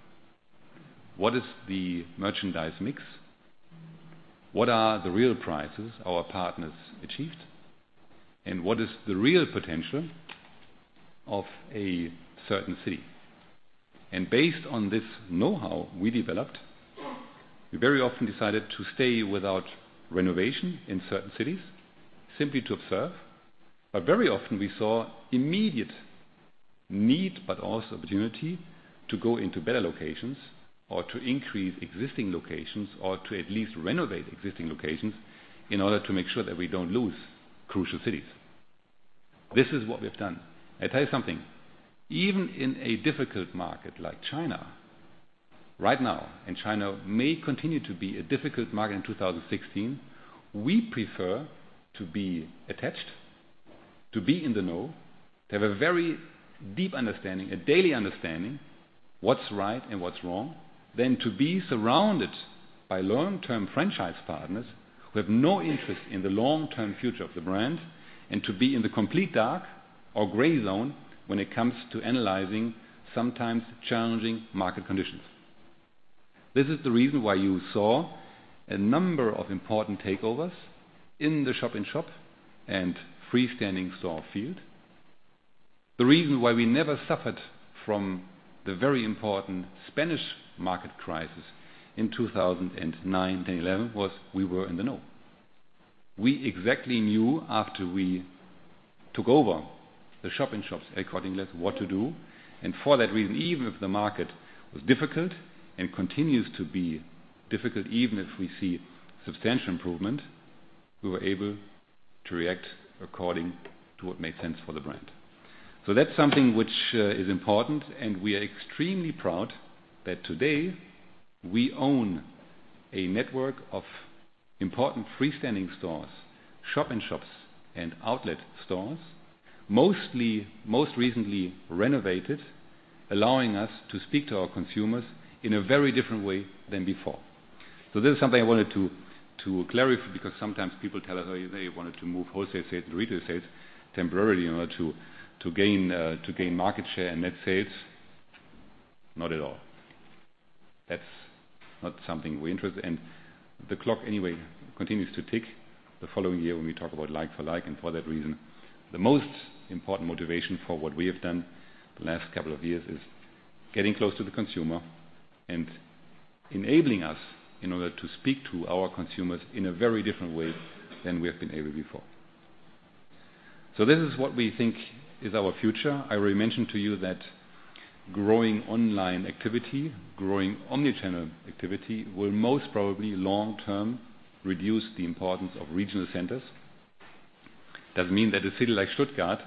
What is the merchandise mix? What are the real prices our partners achieved? What is the real potential of a certain city. Based on this know-how we developed, we very often decided to stay without renovation in certain cities simply to observe. Very often we saw immediate need, but also opportunity, to go into better locations or to increase existing locations or to at least renovate existing locations in order to make sure that we don't lose crucial cities. This is what we have done. I tell you something, even in a difficult market like China right now, and China may continue to be a difficult market in 2016, we prefer to be attached, to be in the know, have a very deep understanding, a daily understanding, what's right and what's wrong. Than to be surrounded by long-term franchise partners who have no interest in the long-term future of the brand and to be in the complete dark or gray zone when it comes to analyzing sometimes challenging market conditions. This is the reason why you saw a number of important takeovers in the shop-in-shop and freestanding store field. The reason why we never suffered from the very important Spanish market crisis in 2009 to 2011 was we were in the know. We exactly knew after we took over the shop-in-shops accordingly what to do. For that reason, even if the market was difficult and continues to be difficult, even if we see substantial improvement, we were able to react according to what made sense for the brand. That's something which is important, and we are extremely proud that today we own a network of important freestanding stores, shop-in-shops, and outlet stores. Most recently renovated, allowing us to speak to our consumers in a very different way than before. This is something I wanted to clarify because sometimes people tell us, "Oh, you may have wanted to move wholesale sales and retail sales temporarily in order to gain market share and net sales." Not at all. That's not something we're interested in. The clock anyway continues to tick the following year when we talk about like for like and for that reason. The most important motivation for what we have done the last couple of years is getting close to the consumer and enabling us in order to speak to our consumers in a very different way than we have been able before. This is what we think is our future. I already mentioned to you that growing online activity, growing omnichannel activity, will most probably long-term reduce the importance of regional centers. Doesn't mean that a city like Stuttgart,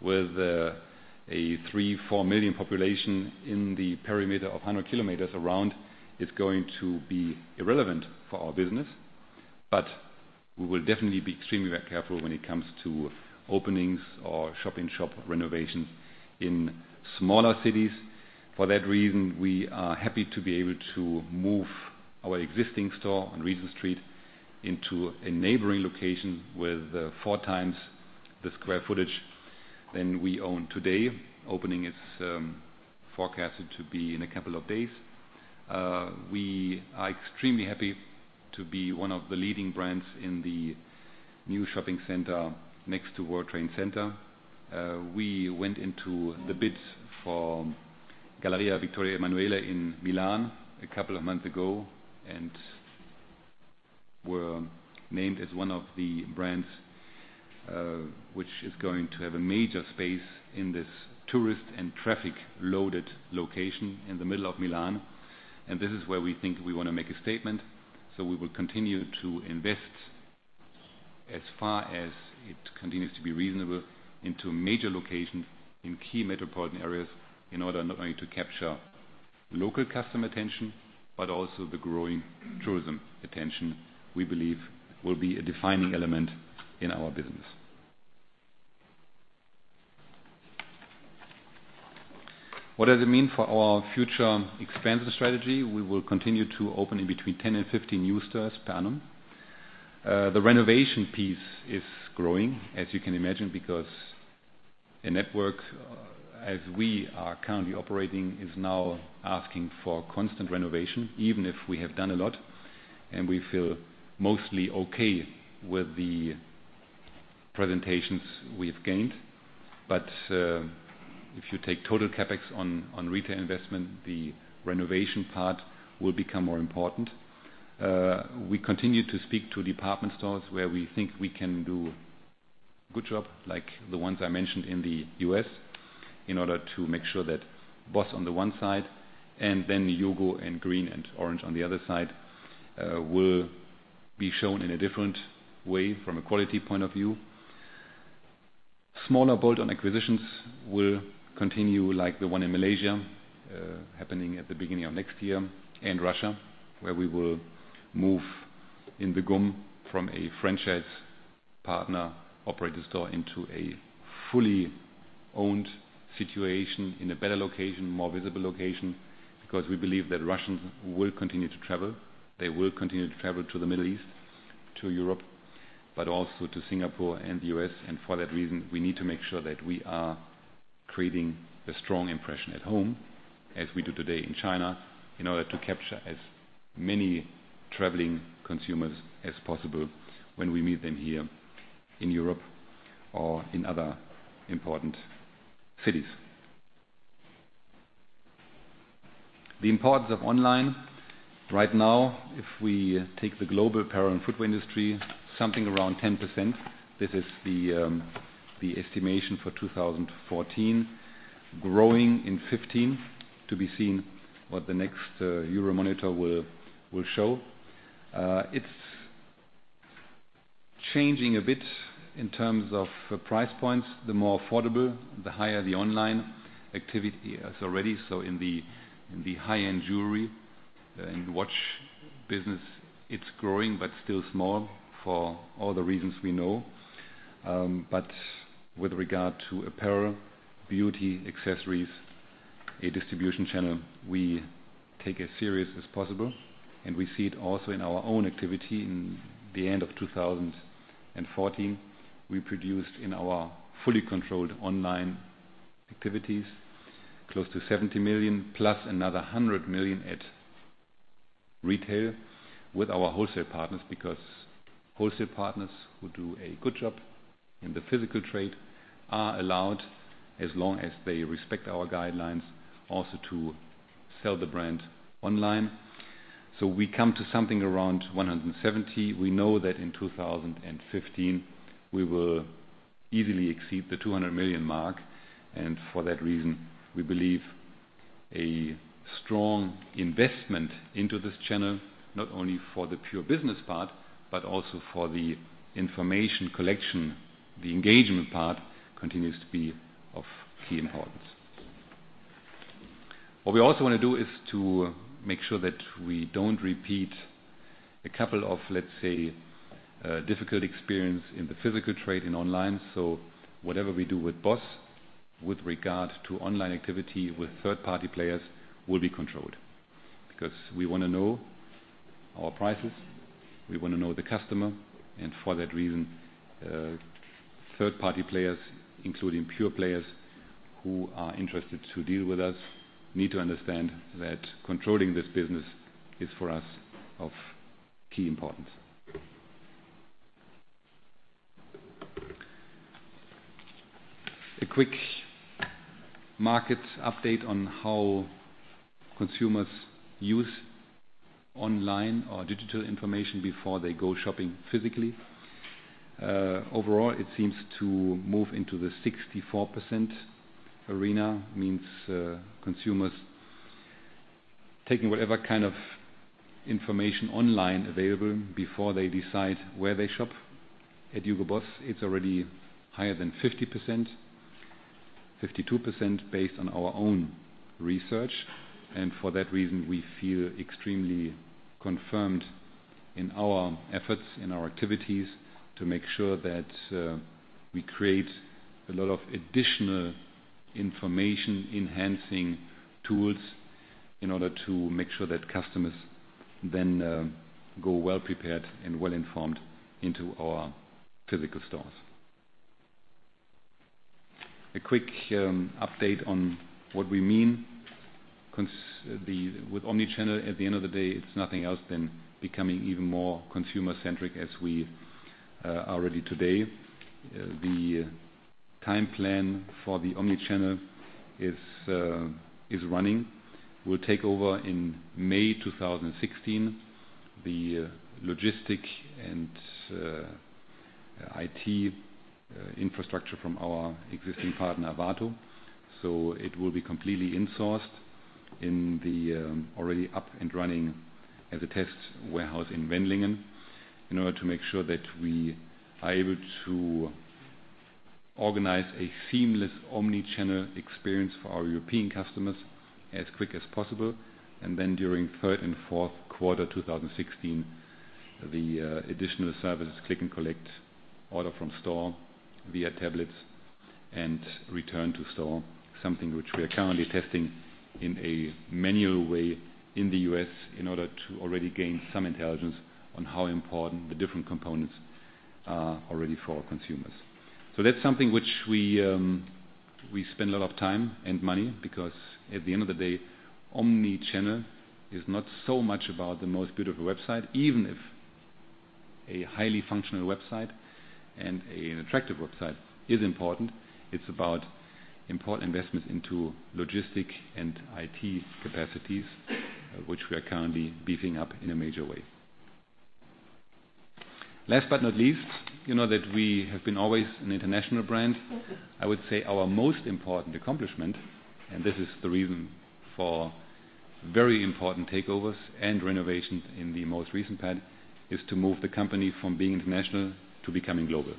with a three, four million population in the perimeter of 100 kilometers around, is going to be irrelevant for our business. We will definitely be extremely very careful when it comes to openings or shop-in-shop renovations in smaller cities. For that reason, we are happy to be able to move our existing store on Regent Street into a neighboring location with four times the square footage than we own today. Opening is forecasted to be in a couple of days. We are extremely happy to be one of the leading brands in the new shopping center next to World Trade Center. We went into the bid for Galleria Vittorio Emanuele in Milan a couple of months ago and were named as one of the brands, which is going to have a major space in this tourist and traffic-loaded location in the middle of Milan. This is where we think we want to make a statement. We will continue to invest as far as it continues to be reasonable into major locations in key metropolitan areas in order not only to capture local customer attention, but also the growing tourism attention we believe will be a defining element in our business. What does it mean for our future expansion strategy? We will continue to open in between 10 and 15 new stores per annum. The renovation piece is growing, as you can imagine, because a network as we are currently operating is now asking for constant renovation, even if we have done a lot. We feel mostly okay with the presentations we have gained. If you take total CapEx on retail investment, the renovation part will become more important. We continue to speak to department stores where we think we can do a good job, like the ones I mentioned in the U.S., in order to make sure that BOSS on the one side and then HUGO and Green and Orange on the other side, will be shown in a different way from a quality point of view. Smaller bolt-on acquisitions will continue like the one in Malaysia, happening at the beginning of next year, and Russia, where we will move in GUM from a franchise partner operated store into a fully owned situation in a better location, more visible location, because we believe that Russians will continue to travel. They will continue to travel to the Middle East, to Europe, but also to Singapore and the U.S. For that reason, we need to make sure that we are creating a strong impression at home. As we do today in China, in order to capture as many traveling consumers as possible when we meet them here in Europe or in other important cities. The importance of online. Right now, if we take the global apparel and footwear industry, something around 10%. This is the estimation for 2014. Growing in 2015. To be seen what the next Euromonitor will show. It's changing a bit in terms of price points. The more affordable, the higher the online activity is already. In the high-end jewelry and watch business, it's growing, but still small for all the reasons we know. With regard to apparel, beauty, accessories, a distribution channel, we take as serious as possible, and we see it also in our own activity in the end of 2014. We produced in our fully controlled online activities close to 70 million, plus another 100 million at retail with our wholesale partners. Because wholesale partners who do a good job in the physical trade are allowed, as long as they respect our guidelines, also to sell the brand online. We come to something around 170 million. We know that in 2015, we will easily exceed the 200 million mark, and for that reason, we believe a strong investment into this channel, not only for the pure business part, but also for the information collection. The engagement part continues to be of key importance. What we also want to do is to make sure that we don't repeat a couple of, let's say, difficult experience in the physical trade and online. Whatever we do with BOSS with regard to online activity with third-party players will be controlled. Because we want to know our prices, we want to know the customer, and for that reason, third-party players, including pure players who are interested to deal with us, need to understand that controlling this business is for us of key importance. A quick market update on how consumers use online or digital information before they go shopping physically. Overall, it seems to move into the 64% arena. Means consumers taking whatever kind of information online available before they decide where they shop. At Hugo Boss, it's already higher than 50%. 52% based on our own research. For that reason, we feel extremely confirmed in our efforts, in our activities to make sure that we create a lot of additional information-enhancing tools in order to make sure that customers then go well-prepared and well-informed into our physical stores. A quick update on what we mean. With omnichannel, at the end of the day, it's nothing else than becoming even more consumer-centric as we are already today. The time plan for the omnichannel is running. Will take over in May 2016. The logistic and IT infrastructure from our existing partner, Arvato. It will be completely insourced in the already up and running as a test warehouse in Wendlingen in order to make sure that we are able to organize a seamless omnichannel experience for our European customers as quick as possible. Then during third and fourth quarter 2016, the additional services, click and collect, order from store via tablets, and return to store. Something which we are currently testing in a manual way in the U.S. in order to already gain some intelligence on how important the different components are already for our consumers. That's something which we spend a lot of time and money because at the end of the day, omnichannel is not so much about the most beautiful website, even if a highly functional website and an attractive website is important. It's about important investments into logistic and IT capacities, which we are currently beefing up in a major way. Last but not least, you know that we have been always an international brand. I would say our most important accomplishment, and this is the reason for very important takeovers and renovations in the most recent past, is to move the company from being international to becoming global.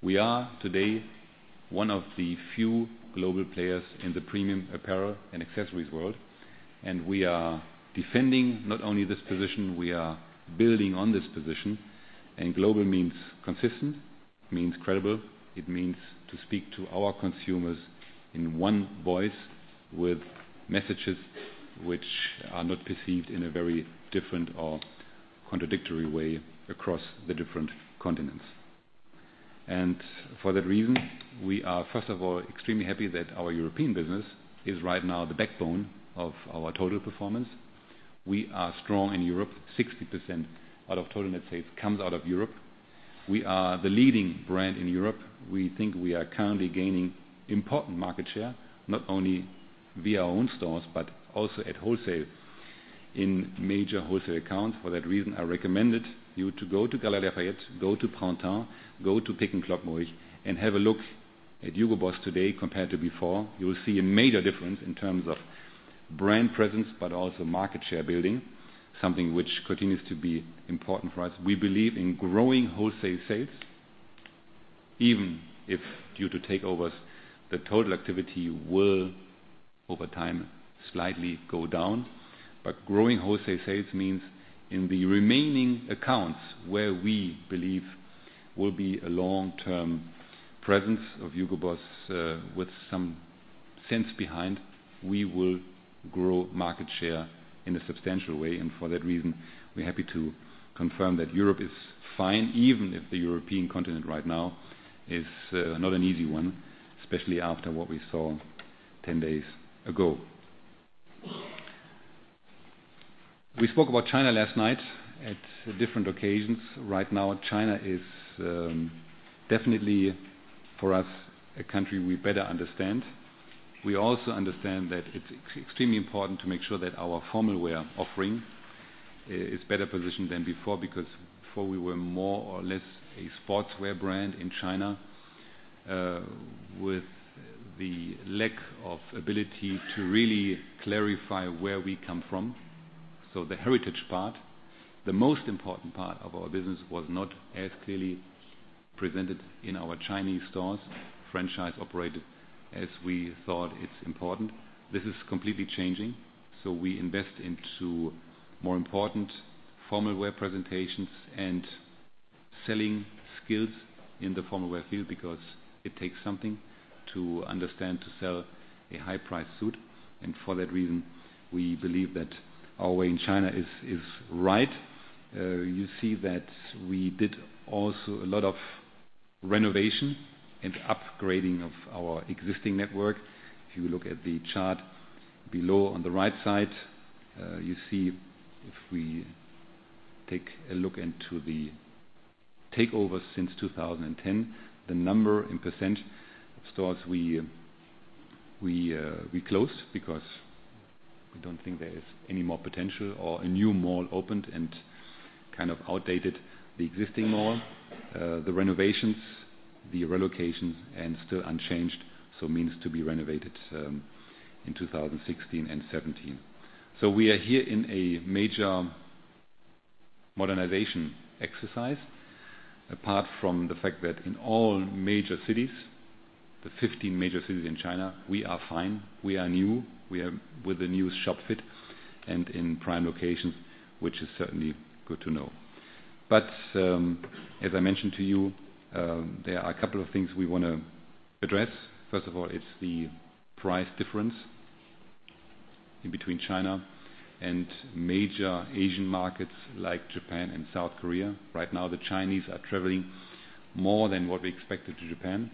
We are today one of the few global players in the premium apparel and accessories world, and we are defending not only this position, we are building on this position. Global means consistent, means credible. It means to speak to our consumers in one voice with messages which are not perceived in a very different or contradictory way across the different continents. For that reason, we are, first of all, extremely happy that our European business is right now the backbone of our total performance. We are strong in Europe. 60% out of total net sales comes out of Europe. We are the leading brand in Europe. We think we are currently gaining important market share, not only via our own stores, but also at wholesale in major wholesale accounts. For that reason, I recommended you to go to Galeries Lafayette, go to Printemps, go to Peek & Cloppenburg, and have a look at Hugo Boss today compared to before. You will see a major difference in terms of brand presence, but also market share building, something which continues to be important for us. We believe in growing wholesale sales, even if due to takeovers, the total activity will, over time, slightly go down. Growing wholesale sales means in the remaining accounts where we believe will be a long-term presence of Hugo Boss with some sense behind, we will grow market share in a substantial way. For that reason, we are happy to confirm that Europe is fine, even if the European continent right now is not an easy one, especially after what we saw 10 days ago. We spoke about China last night at different occasions. Right now, China is definitely, for us, a country we better understand. We also understand that it's extremely important to make sure that our formal wear offering is better positioned than before, because before we were more or less a sportswear brand in China, with the lack of ability to really clarify where we come from, so the heritage part. The most important part of our business was not as clearly presented in our Chinese stores, franchise-operated, as we thought it's important. This is completely changing. We invest into more important formal wear presentations and selling skills in the formal wear field because it takes something to understand to sell a high-priced suit. For that reason, we believe that our way in China is right. You see that we did also a lot of renovation and upgrading of our existing network. If you look at the chart below on the right side, you see if we take a look into the takeovers since 2010, the number in % of stores we closed because we don't think there is any more potential or a new mall opened and kind of outdated the existing mall. The renovations, the relocations and still unchanged, so means to be renovated in 2016 and 2017. We are here in a major modernization exercise. Apart from the fact that in all major cities, the 15 major cities in China, we are fine. We are new. We are with the new shop fit and in prime locations, which is certainly good to know. As I mentioned to you, there are a couple of things we want to address. First of all, it's the price difference in between China and major Asian markets like Japan and South Korea. Right now, the Chinese are traveling more than what we expected to Japan,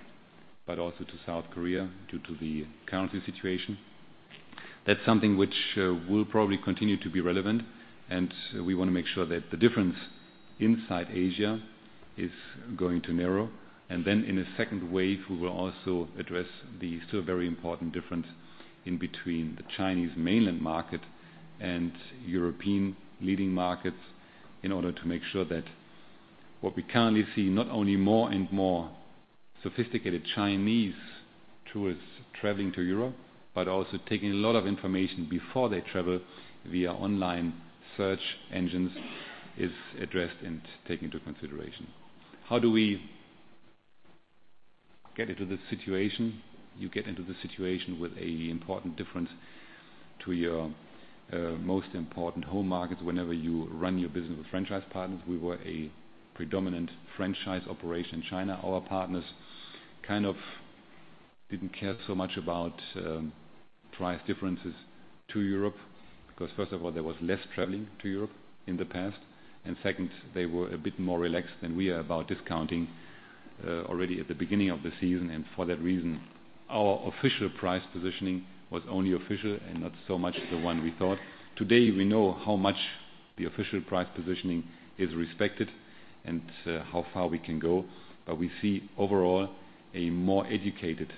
but also to South Korea due to the currency situation. That's something which will probably continue to be relevant, and we want to make sure that the difference inside Asia is going to narrow. Then in a second wave, we will also address the still very important difference in between the Chinese mainland market and European leading markets in order to make sure that what we currently see, not only more and more sophisticated Chinese tourists traveling to Europe, but also taking a lot of information before they travel via online search engines, is addressed and taken into consideration. How do we get into this situation? You get into the situation with an important difference to your most important home markets. Whenever you run your business with franchise partners, we were a predominant franchise operation in China. Our partners kind of didn't care so much about price differences to Europe because, first of all, there was less traveling to Europe in the past. Second, they were a bit more relaxed than we are about discounting already at the beginning of the season. For that reason, our official price positioning was only official and not so much the one we thought. Today, we know how much the official price positioning is respected and how far we can go. We see overall a more educated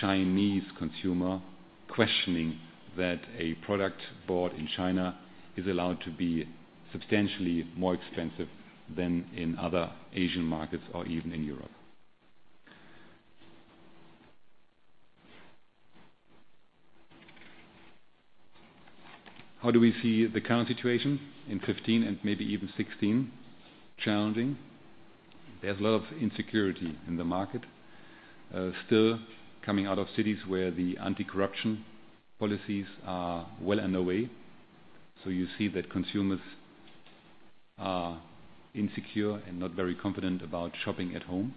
Chinese consumer questioning that a product bought in China is allowed to be substantially more expensive than in other Asian markets or even in Europe. How do we see the current situation in 2015 and maybe even 2016? Challenging. There's a lot of insecurity in the market. Still coming out of cities where the anti-corruption policies are well underway. You see that consumers are insecure and not very confident about shopping at home,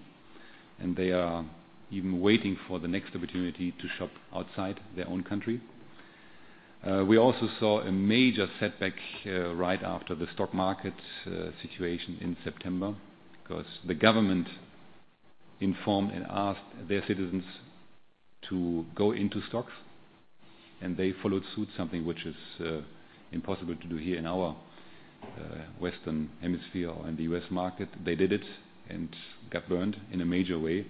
and they are even waiting for the next opportunity to shop outside their own country. We also saw a major setback right after the stock market situation in September. The government informed and asked their citizens to go into stocks, and they followed suit, something which is impossible to do here in our Western hemisphere or in the U.S. market. They did it and got burned in a major way.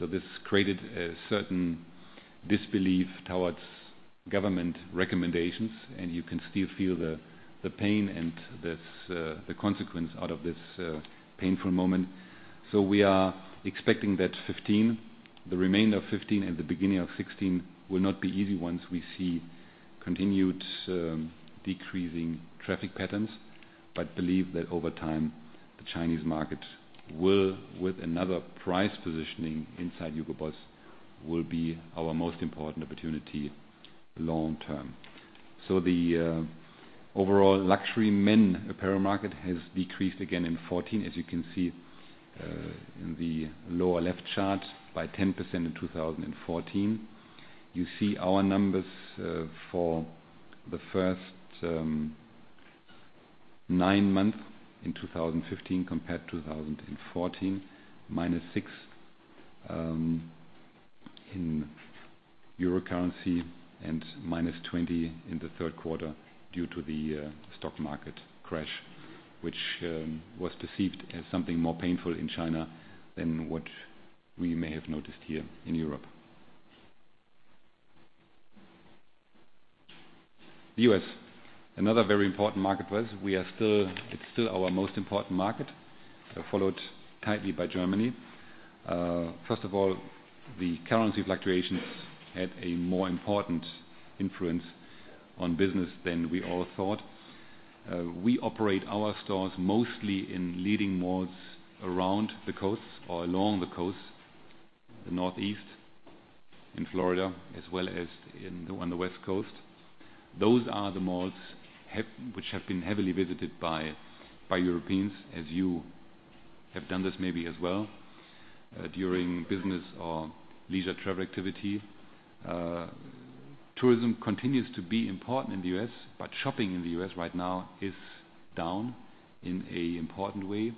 This created a certain disbelief towards government recommendations, and you can still feel the pain and the consequence out of this painful moment. We are expecting that 2015, the remainder of 2015 and the beginning of 2016, will not be easy once we see continued decreasing traffic patterns. Believe that over time, the Chinese market will, with another price positioning inside Hugo Boss, will be our most important opportunity long term. The overall luxury men apparel market has decreased again in 2014, as you can see in the lower left chart, by 10% in 2014. You see our numbers for the first 9 months in 2015 compared to 2014, minus 6 in EUR currency and minus 20 in the third quarter due to the stock market crash, which was perceived as something more painful in China than what we may have noticed here in Europe. The U.S. Another very important market for us. It is still our most important market, followed tightly by Germany. The currency fluctuations had a more important influence on business than we all thought. We operate our stores mostly in leading malls around the coasts or along the coasts, the Northeast and Florida, as well as on the West Coast. Those are the malls which have been heavily visited by Europeans, as you have done this maybe as well, during business or leisure travel activity. Tourism continues to be important in the U.S., but shopping in the U.S. right now is down in a important way.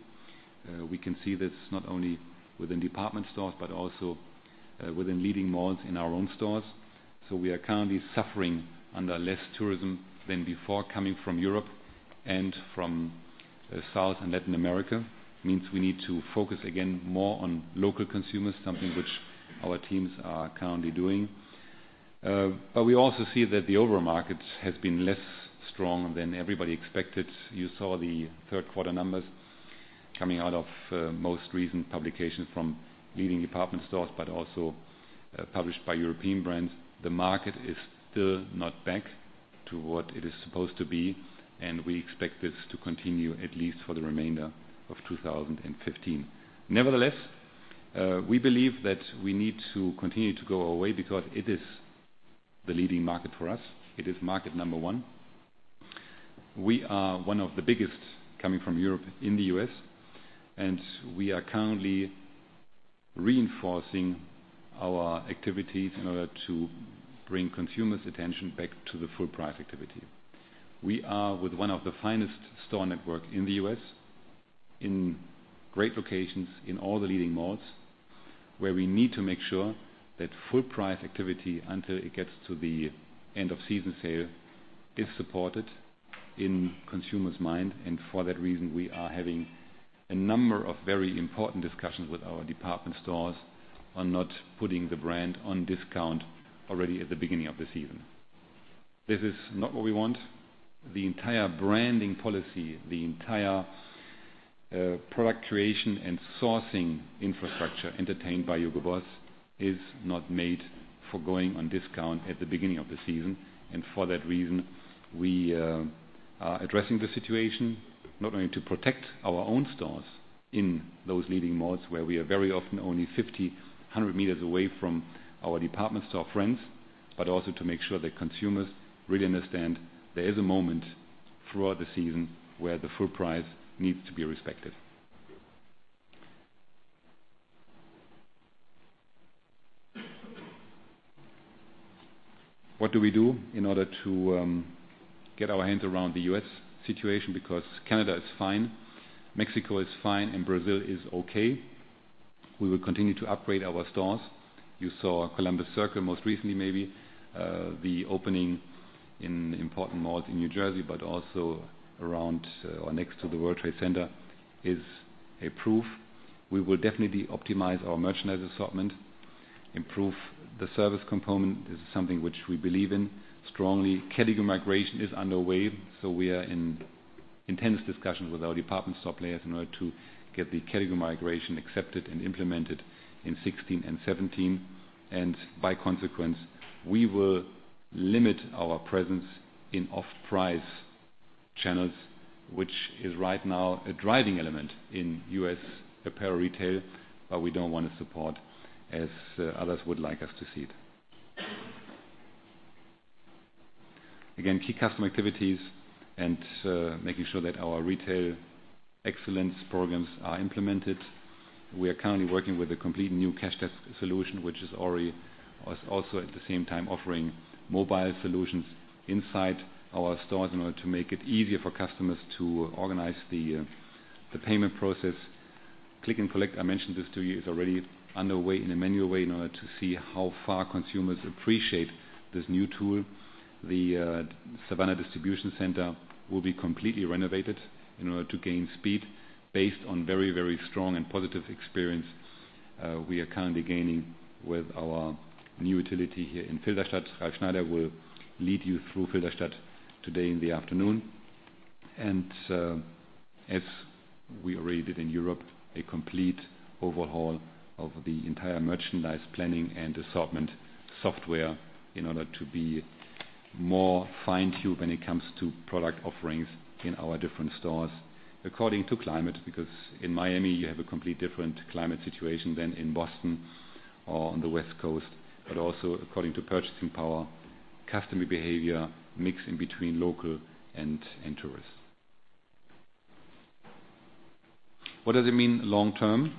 We can see this not only within department stores, but also within leading malls in our own stores. We are currently suffering under less tourism than before coming from Europe and from South and Latin America. This means we need to focus again more on local consumers, something which our teams are currently doing. But we also see that the overall market has been less strong than everybody expected. You saw the third quarter numbers coming out of most recent publications from leading department stores, but also published by European brands. The market is still not back to what it is supposed to be, and we expect this to continue at least for the remainder of 2015. We believe that we need to continue to go our way because it is the leading market for us. It is market number one. We are one of the biggest coming from Europe in the U.S., and we are currently reinforcing our activities in order to bring consumers' attention back to the full price activity. We are with one of the finest store network in the U.S., in great locations in all the leading malls, where we need to make sure that full price activity, until it gets to the end of season sale, is supported in consumers' mind. We are having a number of very important discussions with our department stores on not putting the brand on discount already at the beginning of the season. This is not what we want. The entire branding policy, the entire product creation and sourcing infrastructure entertained by Hugo Boss is not made for going on discount at the beginning of the season. We are addressing the situation, not only to protect our own stores in those leading malls, where we are very often only 50, 100 meters away from our department store friends. But also to make sure that consumers really understand there is a moment throughout the season where the full price needs to be respected. What do we do in order to get our hands around the U.S. situation? Because Canada is fine, Mexico is fine, and Brazil is okay. We will continue to upgrade our stores. You saw Columbus Circle most recently, maybe. The opening in an important mall in New Jersey, but also around or next to the World Trade Center is a proof. We will definitely optimize our merchandise assortment, improve the service component. This is something which we believe in strongly. Category migration is underway, we are in intense discussions with our department store players in order to get the category migration accepted and implemented in 2016 and 2017. By consequence, we will limit our presence in off-price channels, which is right now a driving element in U.S. apparel retail, but we don't want to support as others would like us to see it. Again, key customer activities and making sure that our retail Excellence programs are implemented. We are currently working with a complete new cash desk solution, which is also at the same time offering mobile solutions inside our stores in order to make it easier for customers to organize the payment process. Click and collect, I mentioned this to you, is already underway in a manual way in order to see how far consumers appreciate this new tool. The Savannah distribution center will be completely renovated in order to gain speed based on very strong and positive experience we are currently gaining with our new utility here in Filderstadt. Ralf Schneider will lead you through Filderstadt today in the afternoon. As we already did in Europe, a complete overhaul of the entire merchandise planning and assortment software in order to be more fine-tuned when it comes to product offerings in our different stores according to climate. Because in Miami you have a complete different climate situation than in Boston or on the West Coast. Also according to purchasing power, customer behavior, mixing between local and tourists. What does it mean long term?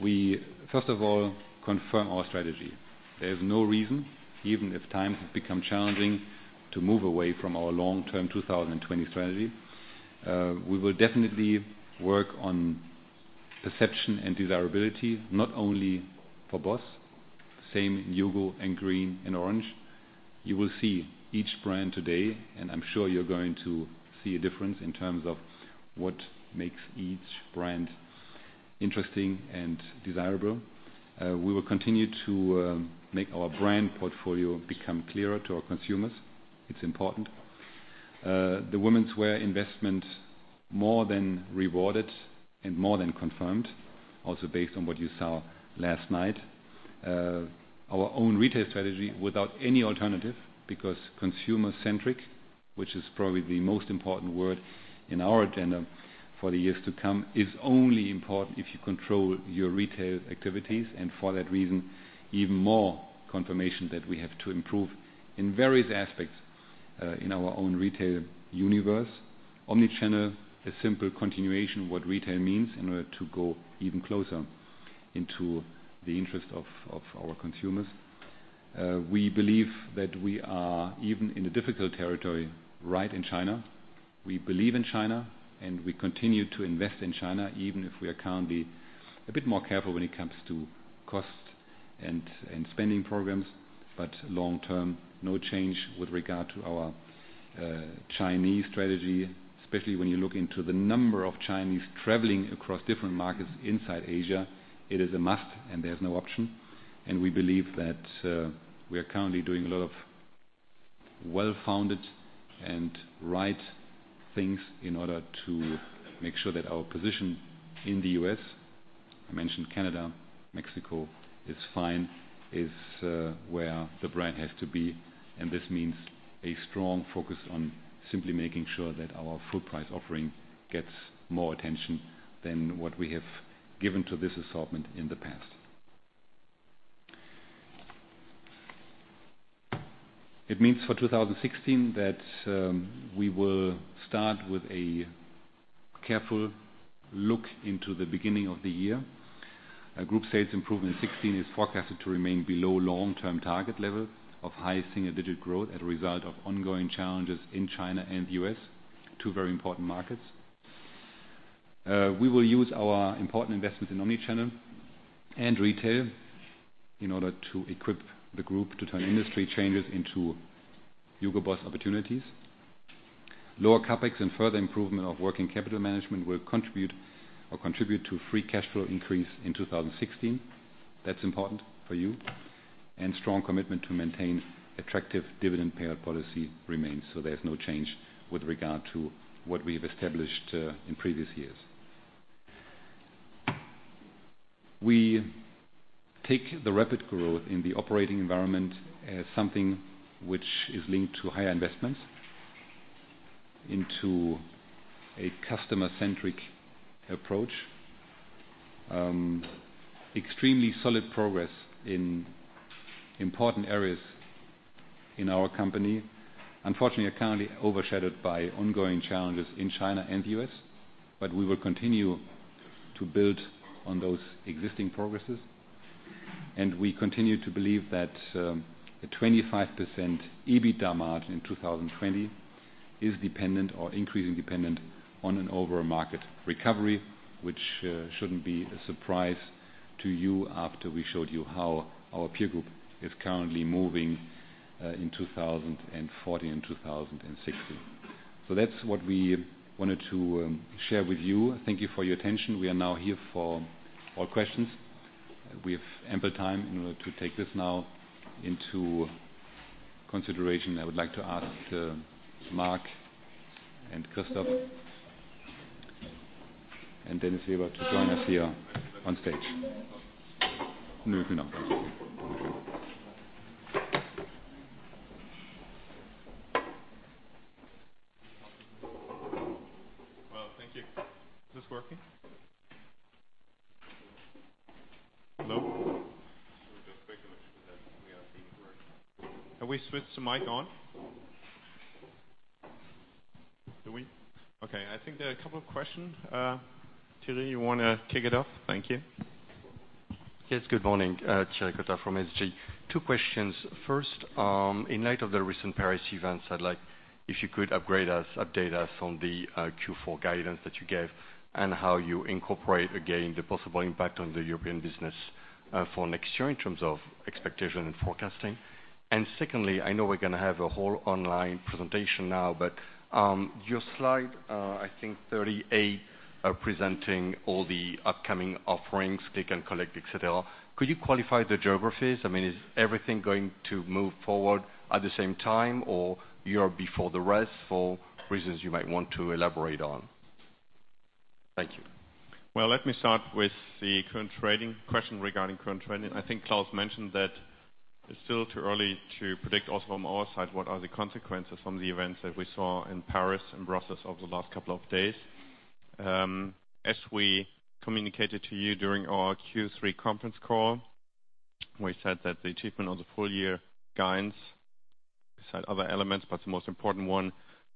We first of all confirm our strategy. There is no reason, even if times have become challenging, to move away from our long-term 2020 strategy. We will definitely work on perception and desirability, not only for BOSS. Same in HUGO, and Green, and Orange. You will see each brand today, and I'm sure you're going to see a difference in terms of what makes each brand interesting and desirable. We will continue to make our brand portfolio become clearer to our consumers. It's important. The womenswear investment more than rewarded and more than confirmed. Also based on what you saw last night. Our own retail strategy without any alternative, because consumer-centric, which is probably the most important word in our agenda for the years to come, is only important if you control your retail activities. For that reason, even more confirmation that we have to improve in various aspects in our own retail universe. Omnichannel, a simple continuation of what retail means in order to go even closer into the interest of our consumers. We believe that we are, even in a difficult territory, right in China. We believe in China, and we continue to invest in China, even if we are currently a bit more careful when it comes to cost and spending programs. But long term, no change with regard to our Chinese strategy. Especially when you look into the number of Chinese traveling across different markets inside Asia. It is a must and there is no option. We believe that we are currently doing a lot of well-founded and right things in order to make sure that our position in the U.S., I mentioned Canada, Mexico, is fine. Is where the brand has to be. This means a strong focus on simply making sure that our full-price offering gets more attention than what we have given to this assortment in the past. It means for 2016 that we will start with a careful look into the beginning of the year. Our group sales improvement in 2016 is forecasted to remain below long-term target level of high single-digit growth as a result of ongoing challenges in China and the U.S. Two very important markets. We will use our important investments in omnichannel and retail in order to equip the group to turn industry changes into Hugo Boss opportunities. Lower CapEx and further improvement of working capital management will contribute to free cash flow increase in 2016. That's important for you. There's strong commitment to maintain attractive dividend payout policy remains. There's no change with regard to what we have established in previous years. We take the rapid growth in the operating environment as something which is linked to higher investments into a customer-centric approach. Extremely solid progress in important areas in our company. Unfortunately, are currently overshadowed by ongoing challenges in China and the U.S. But we will continue to build on those existing progresses. We continue to believe that a 25% EBITDA margin in 2020 is dependent or increasingly dependent on an overall market recovery, which shouldn't be a surprise to you after we showed you how our peer group is currently moving in 2014 and 2016. That's what we wanted to share with you. Thank you for your attention. We are now here for questions. We have ample time in order to take this now into consideration. I would like to ask Mark and Christoph and Dennis Weber to join us here on stage. Thank you. Is this working? No. Have we switched the mic on? Do we? Okay. I think there are a couple of questions. Tilly, you want to kick it off? Thank you. Good morning. Thierry Cota from SG. Two questions. First, in light of the recent Paris events, I'd like if you could upgrade us, update us on the Q4 guidance that you gave and how you incorporate, again, the possible impact on the European business for next year in terms of expectation and forecasting. Secondly, I know we're going to have a whole online presentation now, but your slide 38, presenting all the upcoming offerings, Click & Collect, et cetera, could you qualify the geographies? Is everything going to move forward at the same time, or Europe before the rest for reasons you might want to elaborate on? Thank you. Well, let me start with the question regarding current trading. I think Klaus mentioned that it's still too early to predict also from our side what are the consequences from the events that we saw in Paris and Brussels over the last couple of days. As we communicated to you during our Q3 conference call, we said that the achievement of the full year guidance beside other elements, but the most important one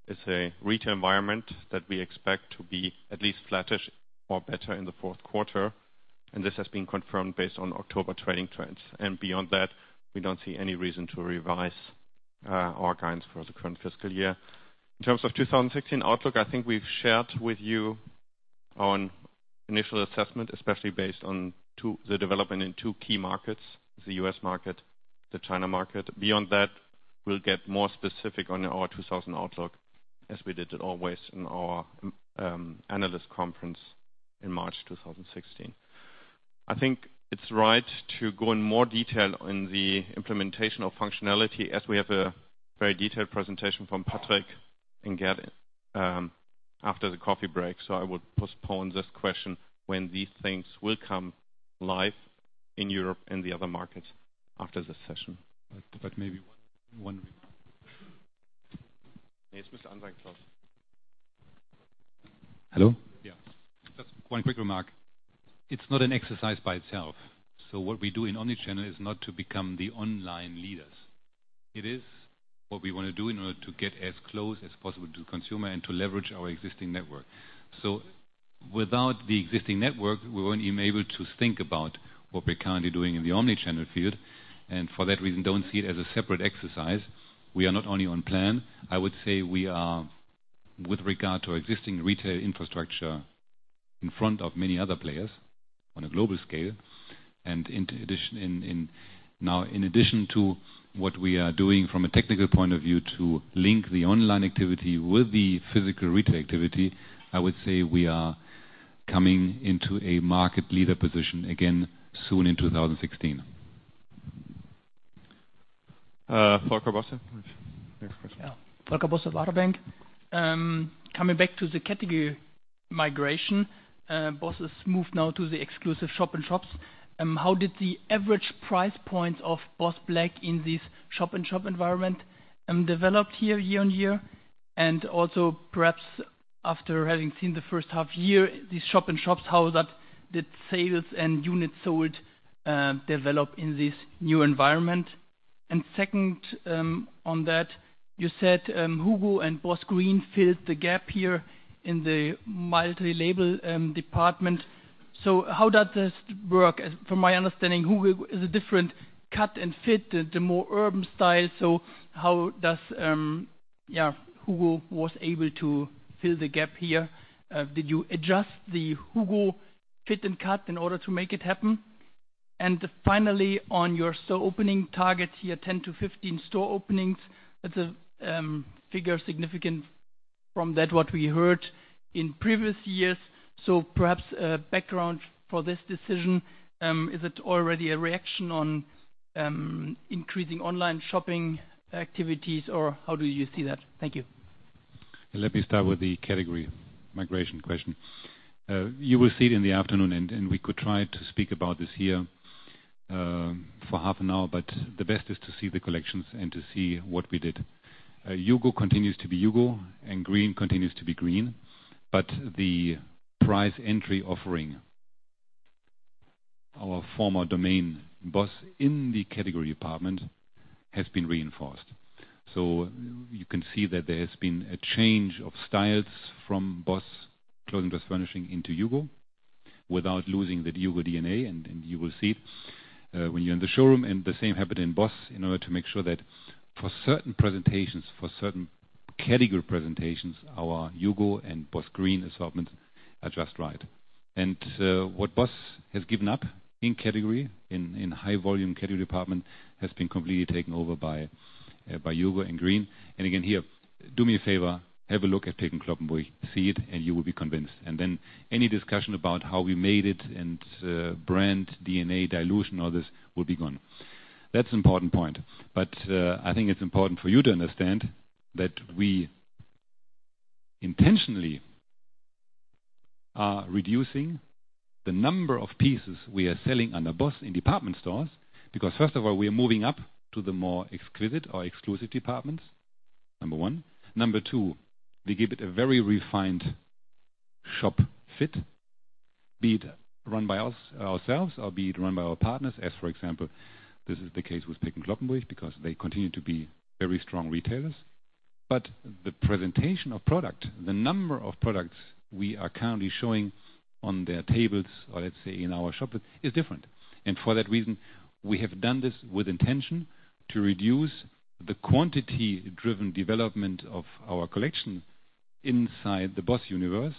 is a retail environment that we expect to be at least flattish or better in the fourth quarter. This has been confirmed based on October trading trends. Beyond that, we don't see any reason to revise our guidance for the current fiscal year. In terms of 2016 outlook, I think we've shared with you on initial assessment, especially based on the development in two key markets, the U.S. market, the China market. Beyond that, we'll get more specific on our 2000 outlook as we did always in our analyst conference in March 2016. I think it's right to go in more detail on the implementation of functionality as we have a very detailed presentation from Patrick and Gavin after the coffee break. I would postpone this question when these things will come live in Europe and the other markets after this session. Maybe one remark. Yes, [Mr. Claus]. Hello? Yeah. Just one quick remark. It's not an exercise by itself. What we do in omnichannel is not to become the online leaders. It is what we want to do in order to get as close as possible to consumer and to leverage our existing network. Without the existing network, we wouldn't even able to think about what we're currently doing in the omnichannel field. For that reason, don't see it as a separate exercise. We are not only on plan, I would say we are with regard to existing retail infrastructure in front of many other players on a global scale. Now, in addition to what we are doing from a technical point of view to link the online activity with the physical retail activity, I would say we are coming into a market leader position again soon in 2016. Volker Bosse. Next question. Yeah. Volker Bosse, Baader Bank. Coming back to the category migration. BOSS has moved now to the exclusive shop-in-shops. How did the average price point of Boss Black in this shop-in-shop environment developed year-on-year? Also, perhaps after having seen the first half year, these shop-in-shops, how did sales and units sold develop in this new environment? Second on that, you said HUGO and BOSS Green filled the gap here in the multi-label department. How does this work? From my understanding, HUGO is a different cut and fit, the more urban style. How was HUGO able to fill the gap here? Did you adjust the HUGO fit and cut in order to make it happen? Finally, on your store opening targets here, 10-15 store openings. That's a figure significant from that what we heard in previous years. Perhaps a background for this decision. Is it already a reaction on increasing online shopping activities, or how do you see that? Thank you. Let me start with the category migration question. You will see it in the afternoon, and we could try to speak about this here for half an hour, but the best is to see the collections and to see what we did. HUGO continues to be HUGO, and BOSS Green continues to be BOSS Green, but the price entry offering our former domain BOSS in the category department has been reinforced. You can see that there has been a change of styles from BOSS clothing, plus furnishing into HUGO without losing that HUGO DNA. You will see when you're in the showroom, and the same happened in BOSS in order to make sure that for certain presentations, for certain category presentations, our HUGO and BOSS Green assortment are just right. What BOSS has given up in category, in high volume category department, has been completely taken over by HUGO and BOSS Green. Again, here, do me a favor, have a look at Peek & Cloppenburg. See it, and you will be convinced. Then any discussion about how we made it and brand DNA dilution, all this will be gone. That's an important point. I think it's important for you to understand that we intentionally are reducing the number of pieces we are selling under BOSS in department stores. Because first of all, we are moving up to the more exquisite or exclusive departments, number one. Number two, we give it a very refined shop fit, be it run by ourselves or be it run by our partners, as, for example, this is the case with Peek & Cloppenburg, because they continue to be very strong retailers. The presentation of product, the number of products we are currently showing on their tables, or let's say in our shop fit, is different. For that reason, we have done this with intention to reduce the quantity-driven development of our collection inside the BOSS universe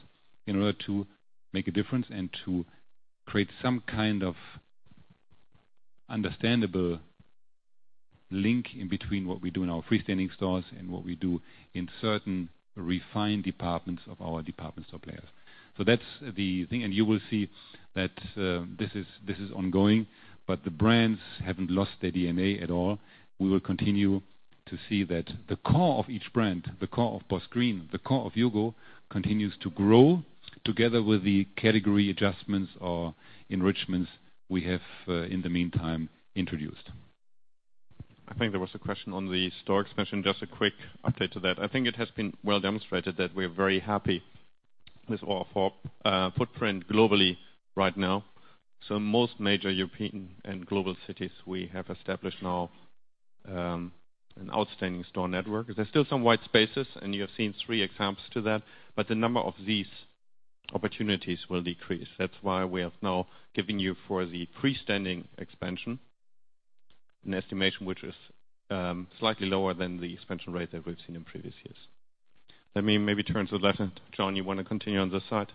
in order to make a difference and to create some kind of understandable link in between what we do in our freestanding stores and what we do in certain refined departments of our department store players. That's the thing, and you will see that this is ongoing, but the brands haven't lost their DNA at all. We will continue to see that the core of each brand, the core of BOSS Green, the core of HUGO, continues to grow together with the category adjustments or enrichments we have, in the meantime, introduced. I think there was a question on the store expansion. Just a quick update to that. I think it has been well demonstrated that we're very happy with our footprint globally right now. Most major European and global cities we have established now an outstanding store network. There's still some white spaces, and you have seen three examples to that, but the number of these opportunities will decrease. That's why we have now given you for the freestanding expansion, an estimation which is slightly lower than the expansion rate that we've seen in previous years. Let me maybe turn to the left. John, you want to continue on this side?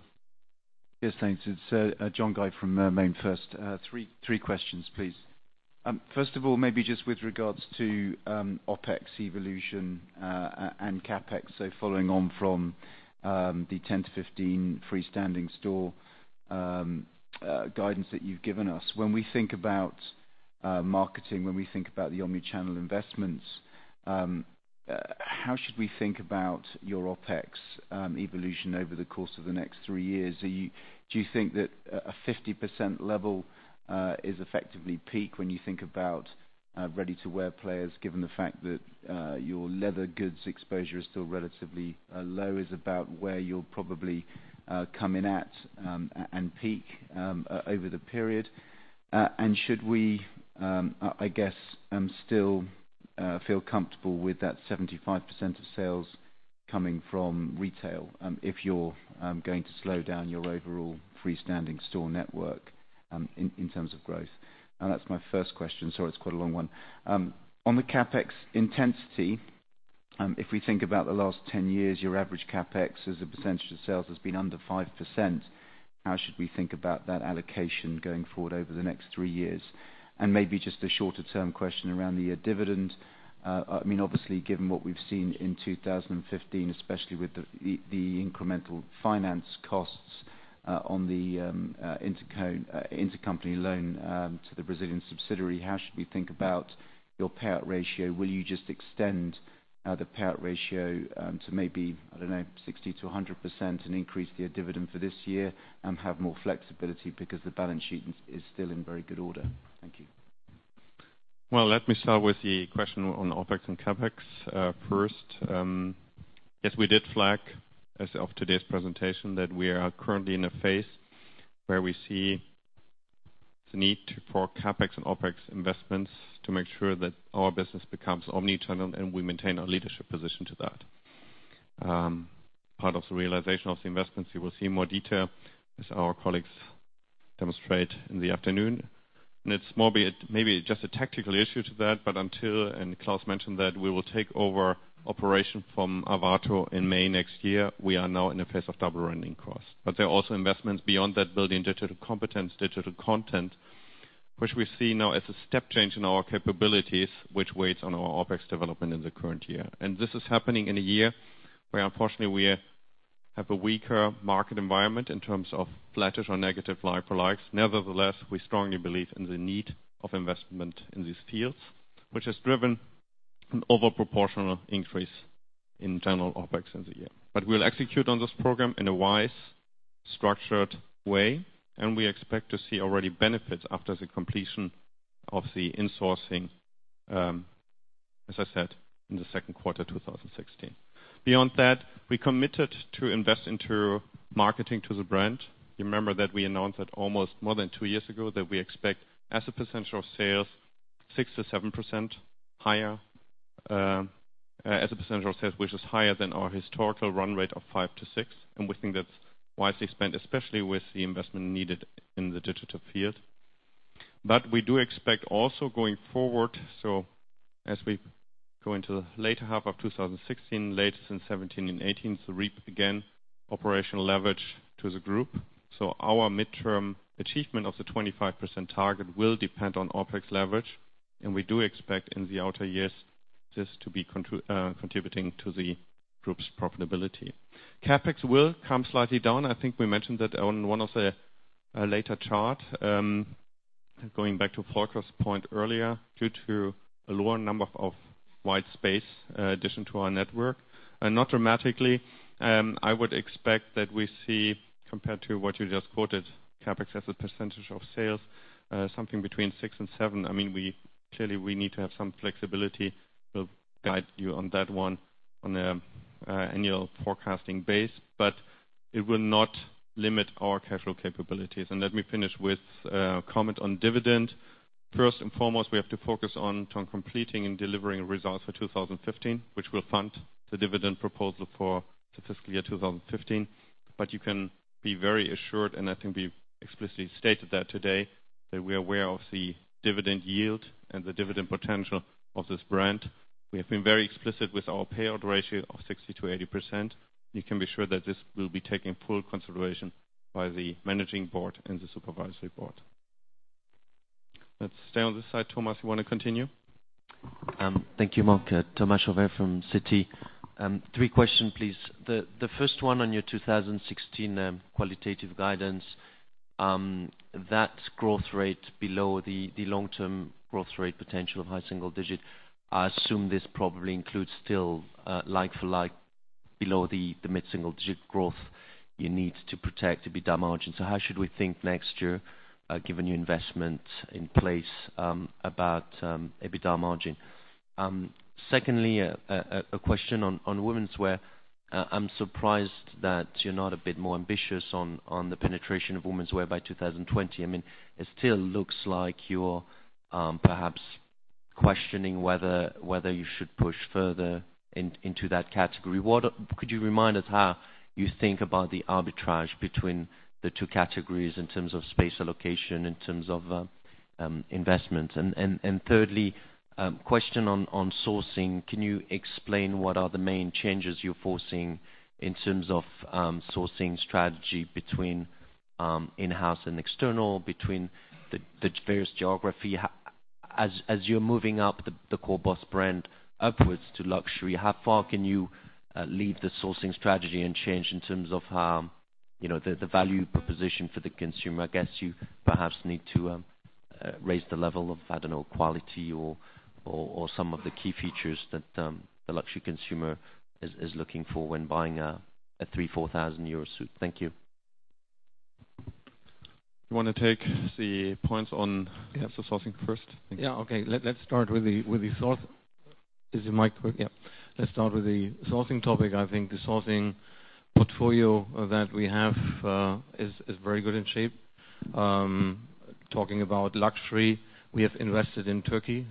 Yes, thanks. It's John Guy from MainFirst. Three questions, please. First of all, maybe just with regards to OpEx evolution, and CapEx, following on from the 10-15 freestanding store guidance that you've given us. When we think about marketing, when we think about the omnichannel investments, how should we think about your OpEx evolution over the course of the next three years? Do you think that a 50% level is effectively peak when you think about ready-to-wear players, given the fact that your leather goods exposure is still relatively low, is about where you'll probably come in at and peak over the period? Should we, I guess, still feel comfortable with that 75% of sales coming from retail if you're going to slow down your overall freestanding store network in terms of growth? That's my first question. Sorry, it's quite a long one. On the CapEx intensity, if we think about the last 10 years, your average CapEx as a percentage of sales has been under 5%. How should we think about that allocation going forward over the next three years? Maybe just a shorter-term question around the dividend. Obviously, given what we've seen in 2015, especially with the incremental finance costs on the intercompany loan to the Brazilian subsidiary, how should we think about your payout ratio? Will you just extend the payout ratio to maybe, I don't know, 60%-100% and increase their dividend for this year and have more flexibility because the balance sheet is still in very good order? Thank you. Well, let me start with the question on OpEx and CapEx. First, yes, we did flag as of today's presentation that we are currently in a phase where we see the need for CapEx and OpEx investments to make sure that our business becomes omnichannel and we maintain our leadership position to that. Part of the realization of the investments, you will see more detail as our colleagues demonstrate in the afternoon. It's maybe just a tactical issue to that, but until, Claus mentioned that we will take over operation from Arvato in May next year. We are now in a phase of double running costs. There are also investments beyond that, building digital competence, digital content, which we see now as a step change in our capabilities, which weighs on our OpEx development in the current year. This is happening in a year where, unfortunately, we have a weaker market environment in terms of flattish or negative like for likes. Nevertheless, we strongly believe in the need of investment in these fields, which has driven an overproportional increase in general OpEx in the year. We'll execute on this program in a wise, structured way, and we expect to see already benefits after the completion of the insourcing, as I said, in the second quarter 2016. Beyond that, we committed to invest into marketing to the brand. You remember that we announced that almost more than two years ago, that we expect as a percentage of sales, 6%-7% higher, as a percentage of sales, which is higher than our historical run rate of 5%-6%. We think that's wisely spent, especially with the investment needed in the digital field. We do expect also going forward, as we go into the later half of 2016, later in 2017 and 2018, to reap again operational leverage to the group. Our midterm achievement of the 25% target will depend on OpEx leverage, and we do expect in the outer years this to be contributing to the group's profitability. CapEx will come slightly down. I think we mentioned that on one of the later chart. Going back to Volker's point earlier, due to a lower number of white space addition to our network, not dramatically. I would expect that we see, compared to what you just quoted, CapEx as a percentage of sales, something between 6% and 7%. Clearly, we need to have some flexibility. We'll guide you on that one on an annual forecasting base, but it will not limit our cash flow capabilities. Let me finish with a comment on dividend. First and foremost, we have to focus on completing and delivering results for 2015, which will fund the dividend proposal for fiscal year 2015. You can be very assured, and I think we explicitly stated that today, that we are aware of the dividend yield and the dividend potential of this brand. We have been very explicit with our payout ratio of 60%-80%. You can be sure that this will be taking full consideration by the managing board and the supervisory board. Let's stay on this side. Thomas, you want to continue? Thank you, Mark. Thomas Chauvet from Citi. Three question, please. The first one on your 2016 qualitative guidance. That growth rate below the long-term growth rate potential of high single-digit. I assume this probably includes still like for like below the mid-single-digit growth you need to protect EBITDA margin. How should we think next year, given your investment in place, about EBITDA margin? Secondly, a question on womenswear. I'm surprised that you're not a bit more ambitious on the penetration of womenswear by 2020. It still looks like you're perhaps questioning whether you should push further into that category. Could you remind us how you think about the arbitrage between the two categories in terms of space allocation, in terms of investment? Thirdly, question on sourcing. Can you explain what are the main changes you're foresee in terms of sourcing strategy between in-house and external, between the various geography? As you're moving up the core BOSS brand upwards to luxury, how far can you leave the sourcing strategy and change in terms of the value proposition for the consumer? I guess you perhaps need to raise the level of, I don't know, quality or some of the key features that the luxury consumer is looking for when buying a 3,000, 4,000 euro suit. Thank you. You want to take the points on- Yeah sourcing first? Yeah. Okay. Let's start with the source. Is the mic working? Yeah. Let's start with the sourcing topic. I think the sourcing portfolio that we have is very good in shape. Talking about luxury, we have invested in Turkey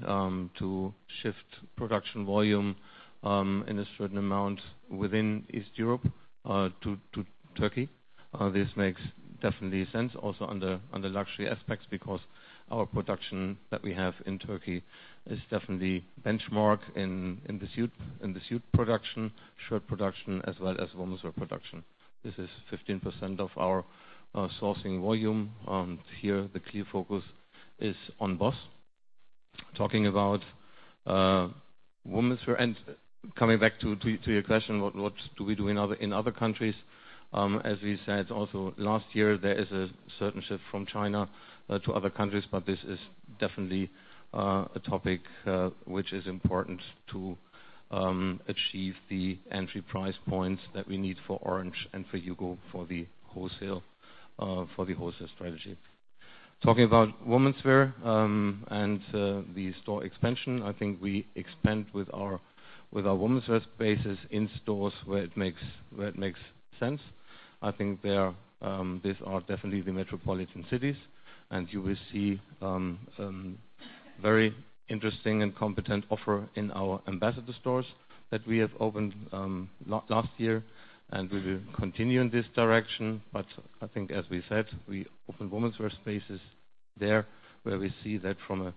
to shift production volume in a certain amount within East Europe to Turkey. This makes definitely sense also on the luxury aspects because our production that we have in Turkey is definitely benchmark in the suit production, shirt production, as well as womenswear production. This is 15% of our sourcing volume. Here the clear focus is on BOSS. Talking about womenswear and coming back to your question, what do we do in other countries? As we said also last year, there is a certain shift from China to other countries, but this is definitely a topic which is important to achieve the entry price points that we need for Orange and for Hugo for the wholesale strategy. Talking about womenswear and the store expansion, I think we expand with our womenswear spaces in stores where it makes sense. I think these are definitely the metropolitan cities, and you will see very interesting and competent offer in our ambassador stores that we have opened last year, and we will continue in this direction. I think as we said, we open womenswear spaces there where we see that from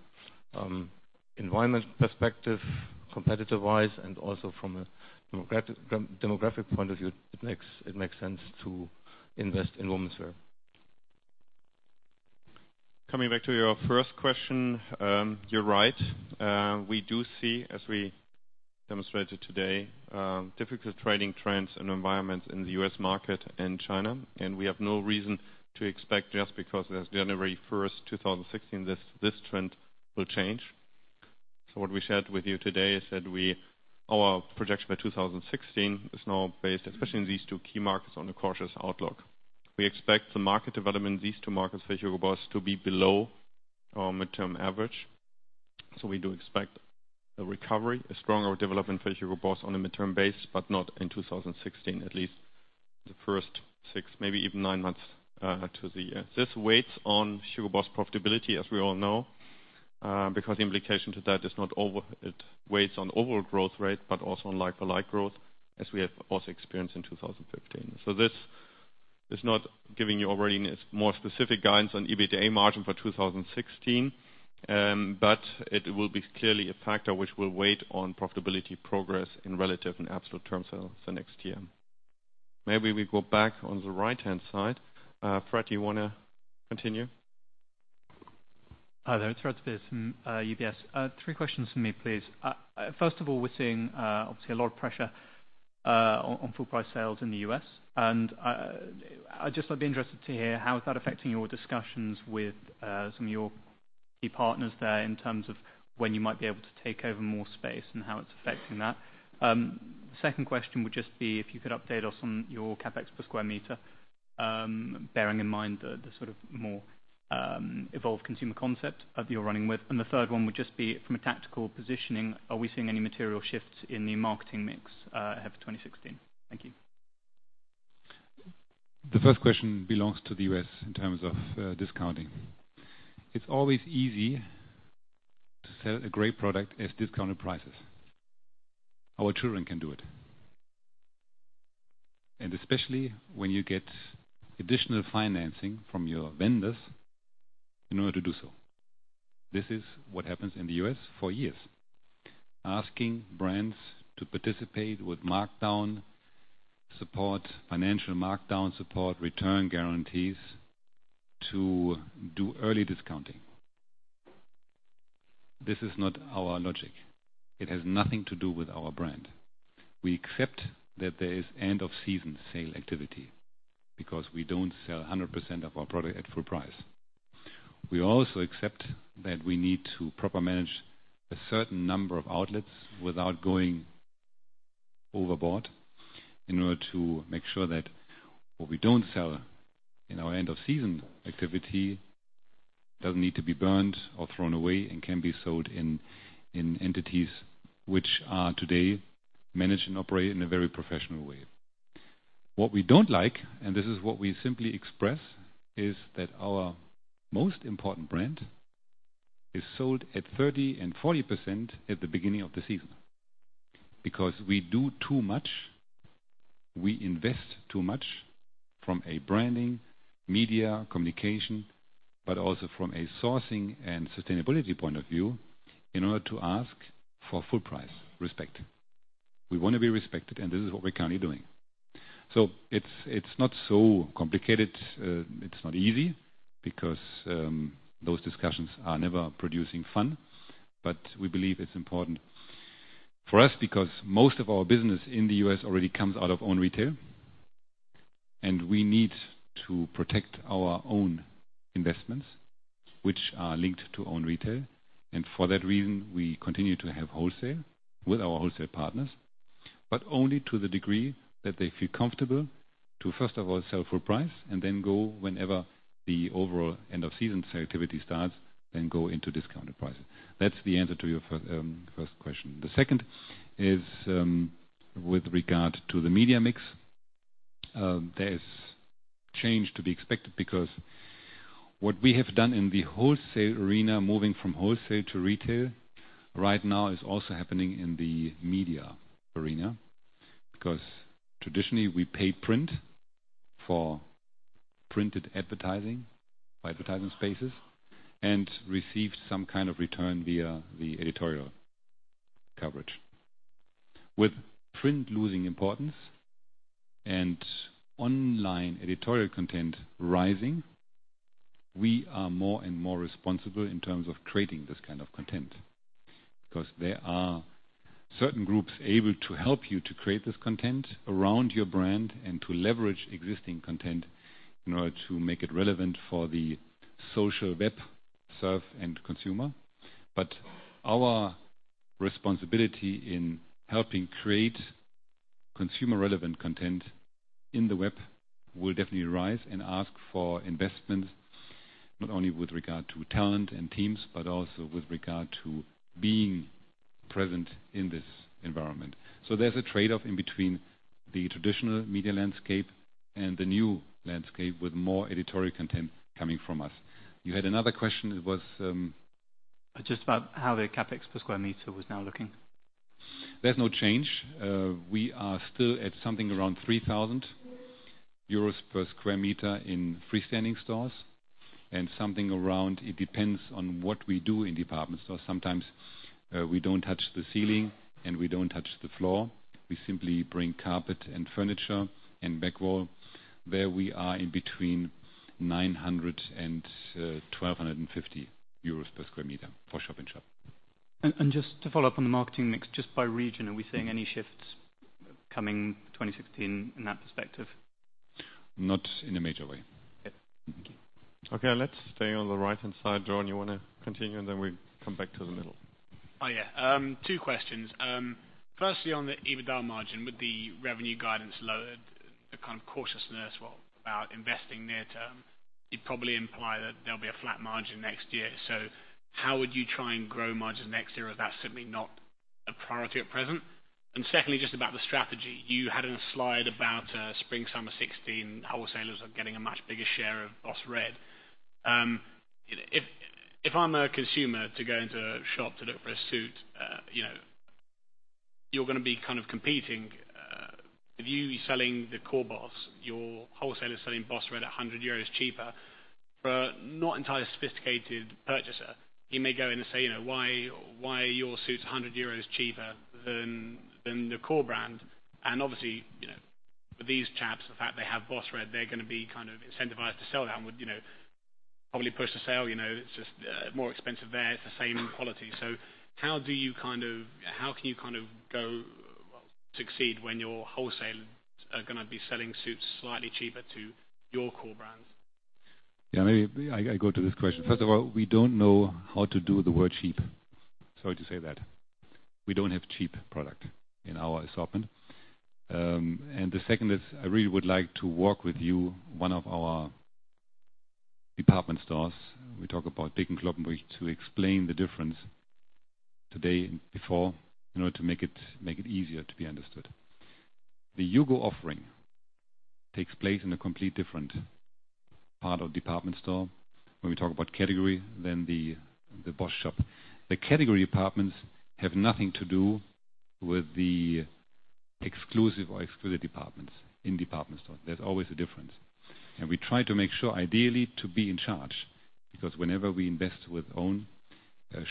environment perspective, competitor-wise, and also from a demographic point of view, it makes sense to invest in womenswear. Coming back to your first question. You're right. We do see, as we demonstrated today, difficult trading trends and environments in the U.S. market and China. We have no reason to expect just because as January 1, 2016, this trend will change. What we shared with you today is that our projection for 2016 is now based, especially in these two key markets, on a cautious outlook. We expect the market development in these two markets for Hugo Boss to be below our midterm average. We do expect a recovery, a stronger development for Hugo Boss on a midterm base, but not in 2016, at least the first six, maybe even nine months to the end. This weighs on Hugo Boss profitability, as we all know because the implication to that is not over. It weighs on overall growth rate, but also on like-for-like growth as we have also experienced in 2015. This is not giving you already more specific guidance on EBITDA margin for 2016. It will be clearly a factor which will weigh on profitability progress in relative and absolute terms for the next year. Maybe we go back on the right-hand side. Fred, you want to continue? Hi there. Fred Diaz from UBS. Three questions from me, please. First of all, we're seeing obviously a lot of pressure on full price sales in the U.S. I'd just be interested to hear how is that affecting your discussions with some of your key partners there in terms of when you might be able to take over more space and how it's affecting that. Second question would just be if you could update us on your CapEx per sq m Bearing in mind the more evolved consumer concept that you're running with. The third one would just be from a tactical positioning, are we seeing any material shifts in the marketing mix ahead of 2016? Thank you. The first question belongs to the U.S. in terms of discounting. It's always easy to sell a great product at discounted prices. Our children can do it. Especially when you get additional financing from your vendors in order to do so. This is what happens in the U.S. for years. Asking brands to participate with financial markdown support, return guarantees, to do early discounting. This is not our logic. It has nothing to do with our brand. We accept that there is end of season sale activity because we don't sell 100% of our product at full price. We also accept that we need to proper manage a certain number of outlets without going overboard in order to make sure that what we don't sell in our end of season activity doesn't need to be burned or thrown away and can be sold in entities which are today managed and operate in a very professional way. What we don't like, and this is what we simply express, is that our most important brand is sold at 30% and 40% at the beginning of the season. We do too much, we invest too much from a branding, media, communication, but also from a sourcing and sustainability point of view, in order to ask for full price respect. We want to be respected, and this is what we're currently doing. It's not so complicated. It's not easy because those discussions are never producing fun. We believe it's important for us because most of our business in the U.S. already comes out of own retail, and we need to protect our own investments which are linked to own retail. For that reason, we continue to have wholesale with our wholesale partners. Only to the degree that they feel comfortable to first of all sell full price and then go whenever the overall end of season sale activity starts, then go into discounted pricing. That's the answer to your first question. The second is with regard to the media mix. There is change to be expected because what we have done in the wholesale arena, moving from wholesale to retail right now is also happening in the media arena. Traditionally we pay print for printed advertising spaces, and received some kind of return via the editorial coverage. With print losing importance and online editorial content rising, we are more and more responsible in terms of creating this kind of content. There are certain groups able to help you to create this content around your brand and to leverage existing content in order to make it relevant for the social web, serve end consumer. Our responsibility in helping create consumer relevant content in the web will definitely rise and ask for investment, not only with regard to talent and teams, but also with regard to being present in this environment. There's a trade-off in between the traditional media landscape and the new landscape with more editorial content coming from us. You had another question, it was. Just about how the CapEx per square meter was now looking. There's no change. We are still at something around 3,000 euros per square meter in freestanding stores and something around, it depends on what we do in department stores. Sometimes we don't touch the ceiling and we don't touch the floor. We simply bring carpet and furniture and back wall. There we are in between 900 and 1,250 euros per square meter for shop-in-shop. Just to follow up on the marketing mix, just by region, are we seeing any shifts coming 2016 in that perspective? Not in a major way. Okay, thank you. Okay. Let's stay on the right-hand side. John, you want to continue and then we come back to the middle? Oh, yeah. Two questions. Firstly, on the EBITDA margin, with the revenue guidance lowered, the cautiousness about investing near term, you'd probably imply that there'll be a flat margin next year. How would you try and grow margins next year if that's simply not a priority at present? Secondly, just about the strategy. You had a slide about spring/summer 2016, wholesalers are getting a much bigger share of Boss Red. If I'm a consumer to go into a shop to look for a suit, you're going to be competing. If you be selling the core BOSS, your wholesaler is selling Boss Red at 100 euros cheaper. For a not entirely sophisticated purchaser, he may go in and say, "Why are your suits 100 euros cheaper than the core brand?" Obviously, for these chaps, the fact they have Boss Red, they're going to be incentivized to sell that and would probably push the sale. It's just more expensive there. It's the same in quality. How can you go succeed when your wholesalers are going to be selling suits slightly cheaper to your core brands? Yeah. Maybe I go to this question. First of all, we don't know how to do the word cheap. Sorry to say that. We don't have cheap product in our assortment. The second is, I really would like to work with you, one of our department stores. We talk about Peek & Cloppenburg to explain the difference today, before, in order to make it easier to be understood. The HUGO offering takes place in a completely different part of department store when we talk about category than the BOSS shop. The category departments have nothing to do with the exclusive or exclusivity departments in department store. There's always a difference. We try to make sure ideally, to be in charge, because whenever we invest with own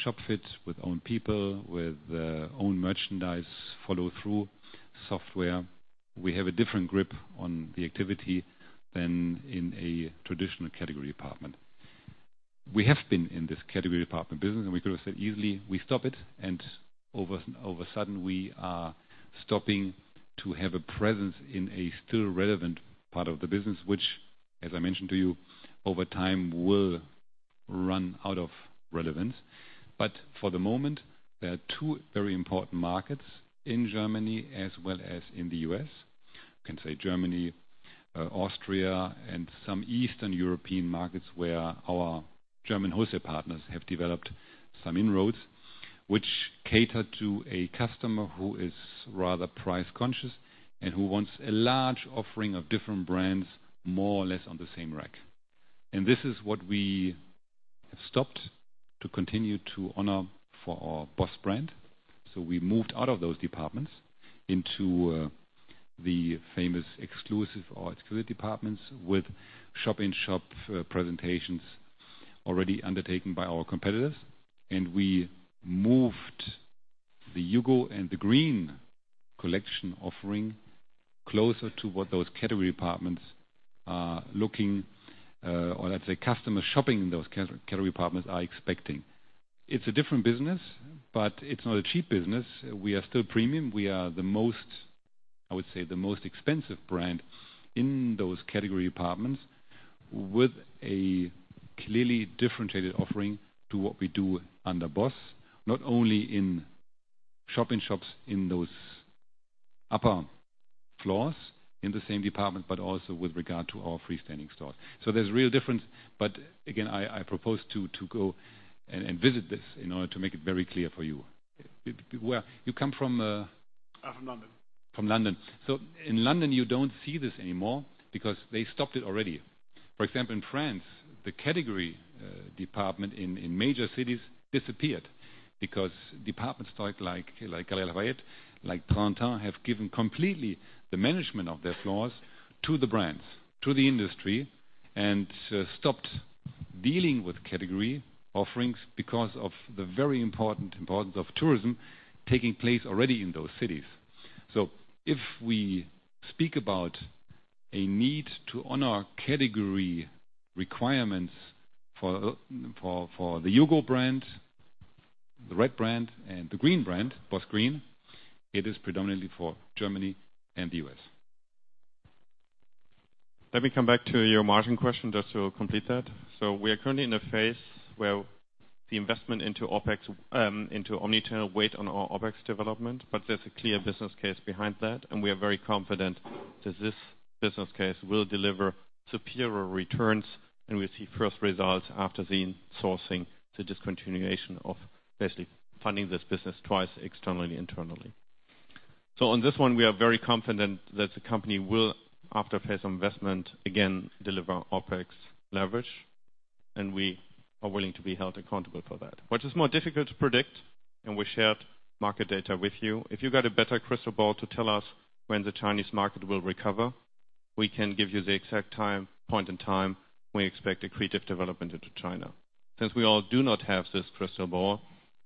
shop-fits, with own people, with own merchandise follow-through software, we have a different grip on the activity than in a traditional category department. We have been in this category department business. We could have said easily, we stop it. All of a sudden, we are stopping to have a presence in a still relevant part of the business, which, as I mentioned to you, over time will run out of relevance. For the moment, there are two very important markets in Germany as well as in the U.S. I can say Germany, Austria, and some Eastern European markets where our German wholesale partners have developed some inroads, which cater to a customer who is rather price-conscious and who wants a large offering of different brands more or less on the same rack. This is what we have stopped to continue to honor for our BOSS brand. We moved out of those departments into the famous exclusive or exclusive departments with shop-in-shop presentations already undertaken by our competitors. We moved the HUGO and the BOSS Green collection offering closer to what those category departments are looking or let's say, customers shopping in those category departments are expecting. It's a different business, but it's not a cheap business. We are still premium. We are the most, I would say, the most expensive brand in those category departments with a clearly differentiated offering to what we do under BOSS, not only in shop-in-shops in those upper floors in the same department, but also with regard to our freestanding stores. There's a real difference. Again, I propose to go and visit this in order to make it very clear for you. Where do you come from? I'm from London. From London. In London, you don't see this anymore because they stopped it already. For example, in France, the category department in major cities disappeared because department stores like Galeries Lafayette, like Printemps, have given completely the management of their floors to the brands, to the industry, and stopped dealing with category offerings because of the very importance of tourism taking place already in those cities. If we speak about a need to honor category requirements for the HUGO brand, the Red brand, and the BOSS Green brand, it is predominantly for Germany and the U.S. Let me come back to your margin question just to complete that. We are currently in a phase where the investment into OpEx, into omnichannel weight on our OpEx development, there's a clear business case behind that, and we are very confident that this business case will deliver superior returns, and we see first results after the sourcing, the discontinuation of basically funding this business twice externally, internally. On this one, we are very confident that the company will, after phase investment, again, deliver OpEx leverage, and we are willing to be held accountable for that. What is more difficult to predict, we shared market data with you. If you got a better crystal ball to tell us when the Chinese market will recover, we can give you the exact point in time we expect accretive development into China. Since we all do not have this crystal ball,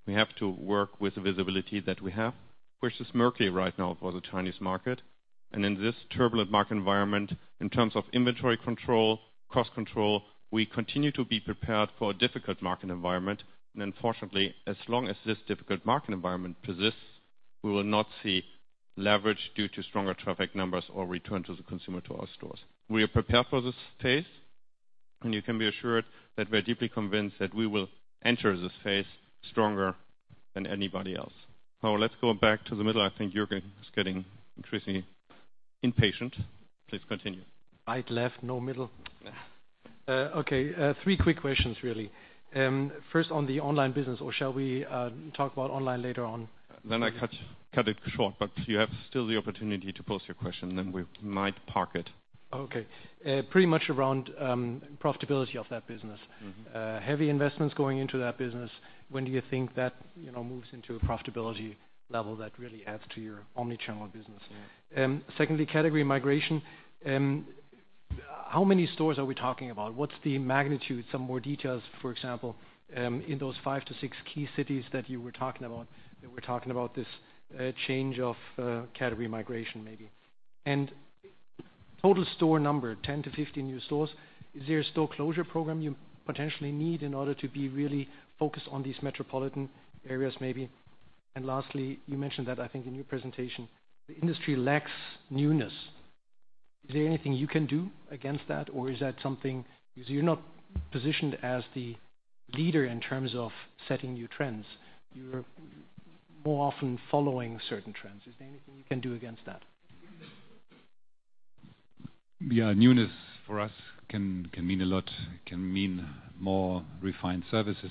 we have to work with the visibility that we have, which is murky right now for the Chinese market. In this turbulent market environment, in terms of inventory control, cost control, we continue to be prepared for a difficult market environment. Unfortunately, as long as this difficult market environment persists, we will not see leverage due to stronger traffic numbers or return to the consumer to our stores. We are prepared for this phase, you can be assured that we're deeply convinced that we will enter this phase stronger than anybody else. Now let's go back to the middle. I think Jürgen is getting increasingly impatient. Please continue. Right, left, no middle. Okay. Three quick questions, really. First, on the online business, or shall we talk about online later on? I cut it short, you have still the opportunity to pose your question, we might park it. Okay. Pretty much around profitability of that business. Heavy investments going into that business. When do you think that moves into a profitability level that really adds to your omnichannel business? Yeah. Secondly, category migration. How many stores are we talking about? What's the magnitude? Some more details, for example, in those five to six key cities that you were talking about, that we're talking about this change of category migration, maybe. Total store number, 10-15 new stores. Is there a store closure program you potentially need in order to be really focused on these metropolitan areas, maybe? Lastly, you mentioned that, I think in your presentation, the industry lacks newness. Is there anything you can do against that, or is that something? Because you're not positioned as the leader in terms of setting new trends. You're more often following certain trends. Is there anything you can do against that? Yeah. Newness for us can mean a lot, it can mean more refined services.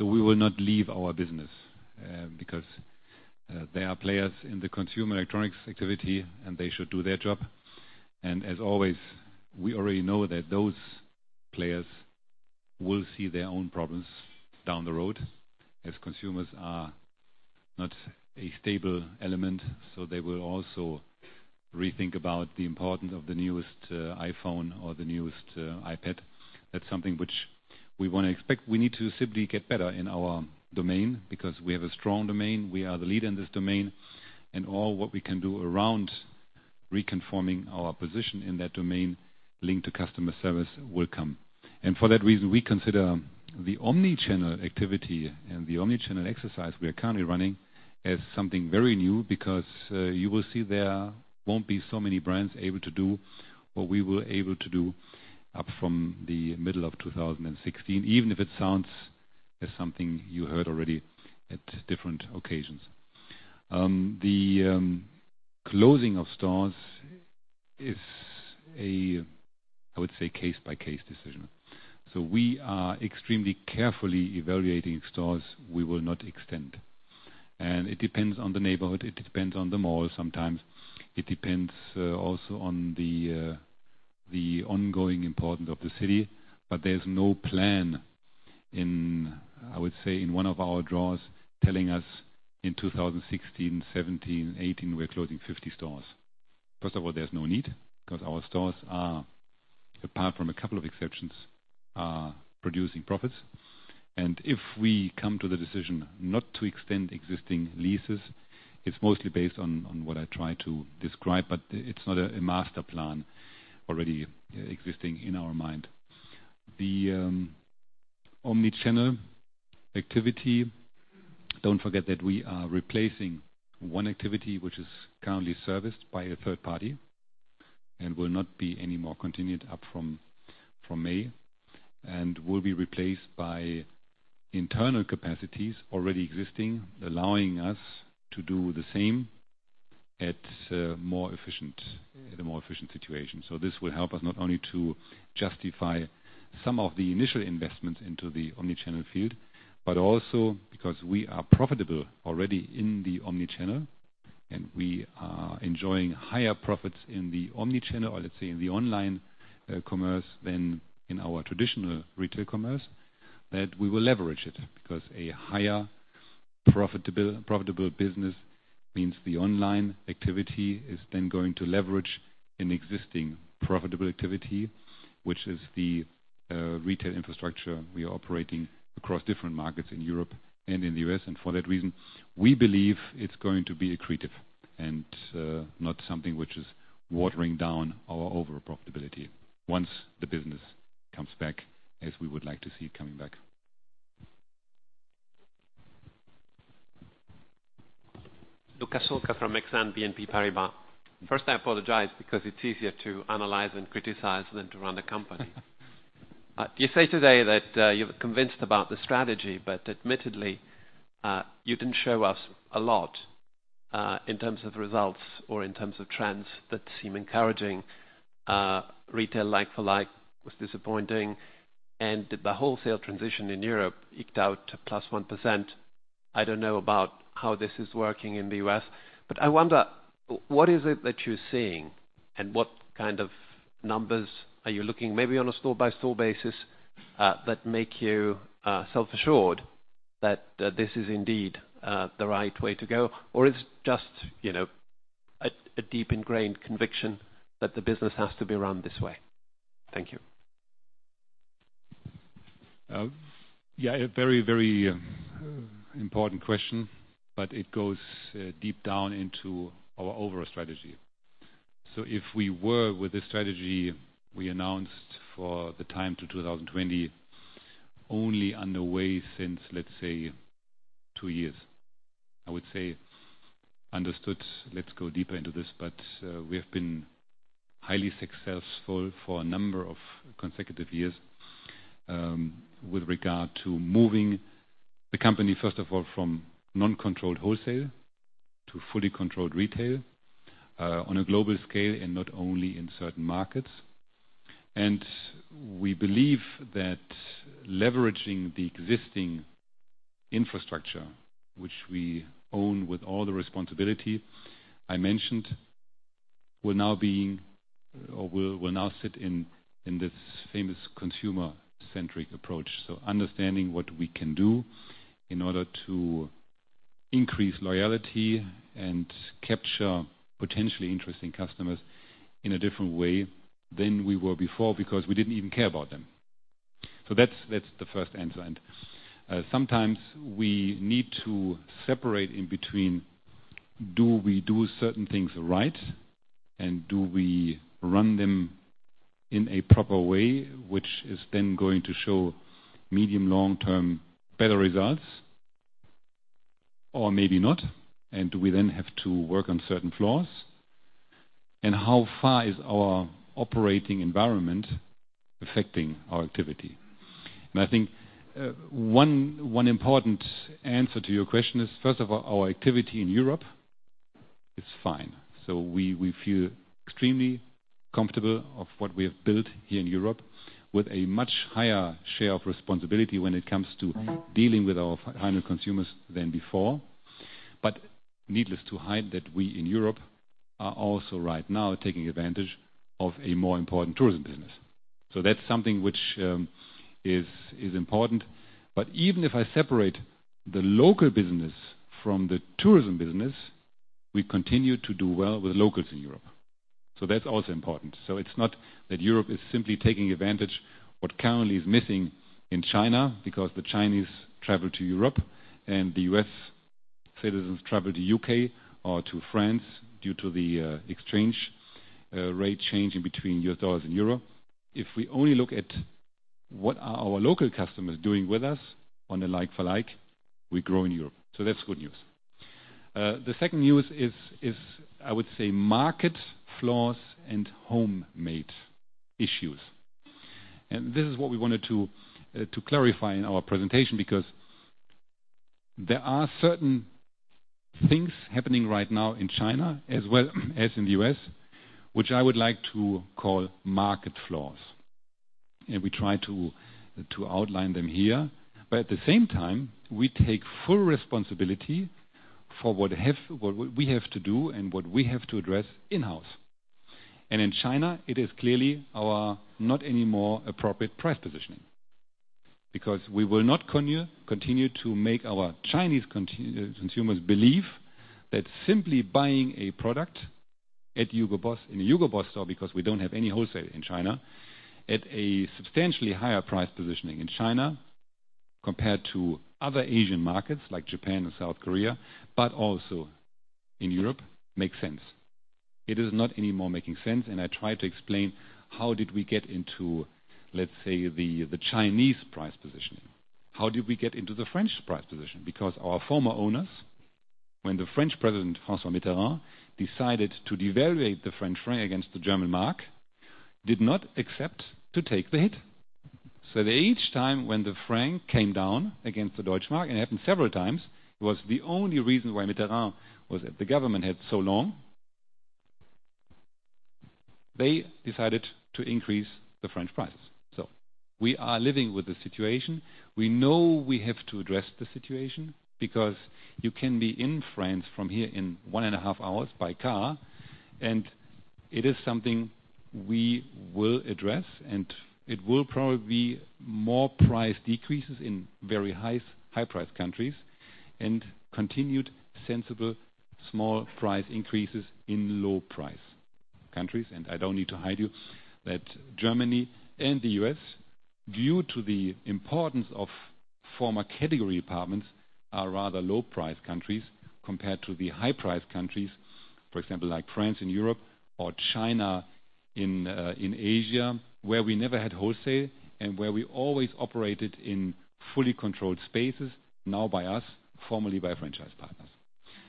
We will not leave our business, because there are players in the consumer electronics activity, and they should do their job. As always, we already know that those players will see their own problems down the road, as consumers are not a stable element, so they will also rethink about the importance of the newest iPhone or the newest iPad. That's something which we want to expect. We need to simply get better in our domain, because we have a strong domain. We are the leader in this domain, and all what we can do around reconfirming our position in that domain linked to customer service will come. For that reason, we consider the omnichannel activity and the omnichannel exercise we are currently running as something very new because you will see there won't be so many brands able to do what we were able to do up from the middle of 2016, even if it sounds as something you heard already at different occasions. The closing of stores is a, I would say, case-by-case decision. We are extremely carefully evaluating stores we will not extend. It depends on the neighborhood, it depends on the mall sometimes. It depends also on the ongoing importance of the city. But there's no plan in, I would say, in one of our drawers telling us in 2016, 2017, 2018, we're closing 50 stores. First of all, there's no need, because our stores are, apart from a couple of exceptions, producing profits. If we come to the decision not to extend existing leases, it's mostly based on what I try to describe, but it's not a master plan already existing in our mind. The omnichannel activity, don't forget that we are replacing one activity, which is currently serviced by a third party and will not be anymore continued up from May and will be replaced by internal capacities already existing, allowing us to do the same at a more efficient situation. This will help us not only to justify some of the initial investments into the omnichannel field, but also because we are profitable already in the omnichannel, and we are enjoying higher profits in the omnichannel, or let's say, in the online commerce than in our traditional retail commerce, that we will leverage it, because a higher profitable business means the online activity is then going to leverage an existing profitable activity, which is the retail infrastructure we are operating across different markets in Europe and in the U.S. For that reason, we believe it's going to be accretive and not something which is watering down our overall profitability once the business comes back as we would like to see it coming back. Luca Solca from Exane BNP Paribas. First, I apologize, because it's easier to analyze and criticize than to run a company. You say today that you're convinced about the strategy, but admittedly, you didn't show us a lot, in terms of results or in terms of trends that seem encouraging. Retail like for like was disappointing, and the wholesale transition in Europe eked out +1%. I don't know about how this is working in the U.S. I wonder, what is it that you're seeing, and what kind of numbers are you looking, maybe on a store-by-store basis, that make you self-assured that this is indeed the right way to go? Or it's just a deep, ingrained conviction that the business has to be run this way? Thank you. Yeah. A very important question, it goes deep down into our overall strategy. If we were with the strategy we announced for the time to 2020, only underway since, let's say, two years. I would say, understood, let's go deeper into this. We have been highly successful for a number of consecutive years, with regard to moving the company, first of all, from non-controlled wholesale to fully controlled retail, on a global scale and not only in certain markets. We believe that leveraging the existing infrastructure, which we own with all the responsibility I mentioned, will now sit in this famous consumer-centric approach. Understanding what we can do in order to increase loyalty and capture potentially interesting customers in a different way than we were before, because we didn't even care about them. That's the first answer. Sometimes we need to separate in between do we do certain things right and do we run them in a proper way, which is then going to show medium long term better results or maybe not. We then have to work on certain flaws. How far is our operating environment affecting our activity? I think one important answer to your question is, first of all, our activity in Europe is fine. We feel extremely comfortable of what we have built here in Europe with a much higher share of responsibility when it comes to dealing with our final consumers than before. Needless to hide that we in Europe are also right now taking advantage of a more important tourism business. That's something which is important. Even if I separate the local business from the tourism business, we continue to do well with locals in Europe. That's also important. It's not that Europe is simply taking advantage what currently is missing in China because the Chinese travel to Europe and the U.S. citizens travel to U.K. or to France due to the exchange rate changing between U.S. dollars and EUR. If we only look at what are our local customers doing with us on a like for like, we grow in Europe. That's good news. The second news is, I would say market flaws and homemade issues. This is what we wanted to clarify in our presentation because there are certain things happening right now in China as well as in the U.S., which I would like to call market flaws. We try to outline them here. At the same time, we take full responsibility for what we have to do and what we have to address in-house. In China, it is clearly our not anymore appropriate price positioning because we will not continue to make our Chinese consumers believe that simply buying a product at Hugo Boss in a Hugo Boss store, because we don't have any wholesale in China, at a substantially higher price positioning in China compared to other Asian markets like Japan and South Korea, but also in Europe, makes sense. It is not anymore making sense. I try to explain how did we get into, let's say, the Chinese price positioning. How did we get into the French price position? Our former owners, when the French president, François Mitterrand, decided to devaluate the French franc against the Deutsche Mark, did not accept to take the hit. That each time when the franc came down against the Deutsche Mark, and it happened several times, it was the only reason why Mitterrand was at the government had so long. They decided to increase the French prices. We are living with the situation. We know we have to address the situation because you can be in France from here in 1 and a half hours by car. It is something we will address and it will probably be more price decreases in very high price countries and continued sensible small price increases in low price countries. I don't need to hide you that Germany and the U.S., due to the importance of former category migration, are rather low price countries compared to the high price countries. For example, like France in Europe or China in Asia, where we never had wholesale and where we always operated in fully controlled spaces, now by us, formerly by franchise partners.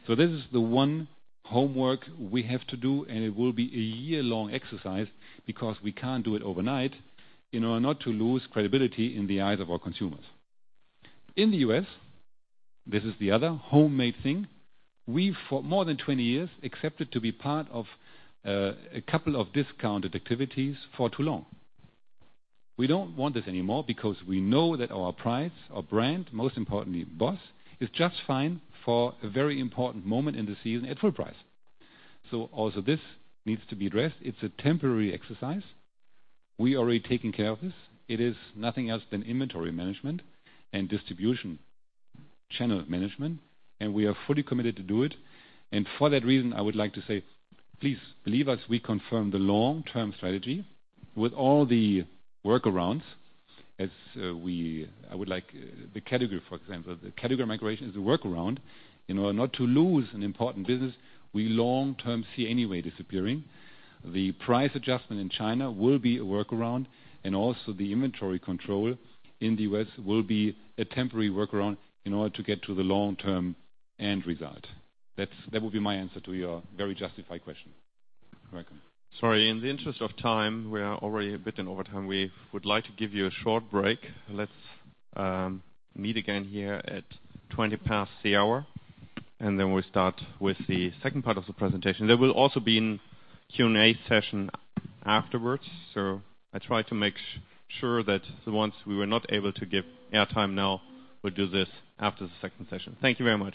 This is the one homework we have to do and it will be a year-long exercise because we can't do it overnight in order not to lose credibility in the eyes of our consumers. In the U.S., this is the other homemade thing, we for more than 20 years accepted to be part of a couple of discounted activities for too long. We don't want this anymore because we know that our price, our brand, most importantly BOSS, is just fine for a very important moment in the season at full price. Also this needs to be addressed. It's a temporary exercise. We are already taking care of this. It is nothing else than inventory management and distribution channel management and we are fully committed to do it. For that reason, I would like to say, please believe us, we confirm the long-term strategy with all the workarounds. I would like the category, for example. The category migration is a workaround in order not to lose an important business we long term see anyway disappearing. The price adjustment in China will be a workaround and also the inventory control in the U.S. will be a temporary workaround in order to get to the long term end result. That would be my answer to your very justified question. Welcome. Sorry. In the interest of time, we are already a bit in overtime. We would like to give you a short break. Let's meet again here at 20 past the hour then we'll start with the second part of the presentation. There will also be an Q&A session afterwards. I try to make sure that the ones we were not able to give air time now, we'll do this after the second session. Thank you very much.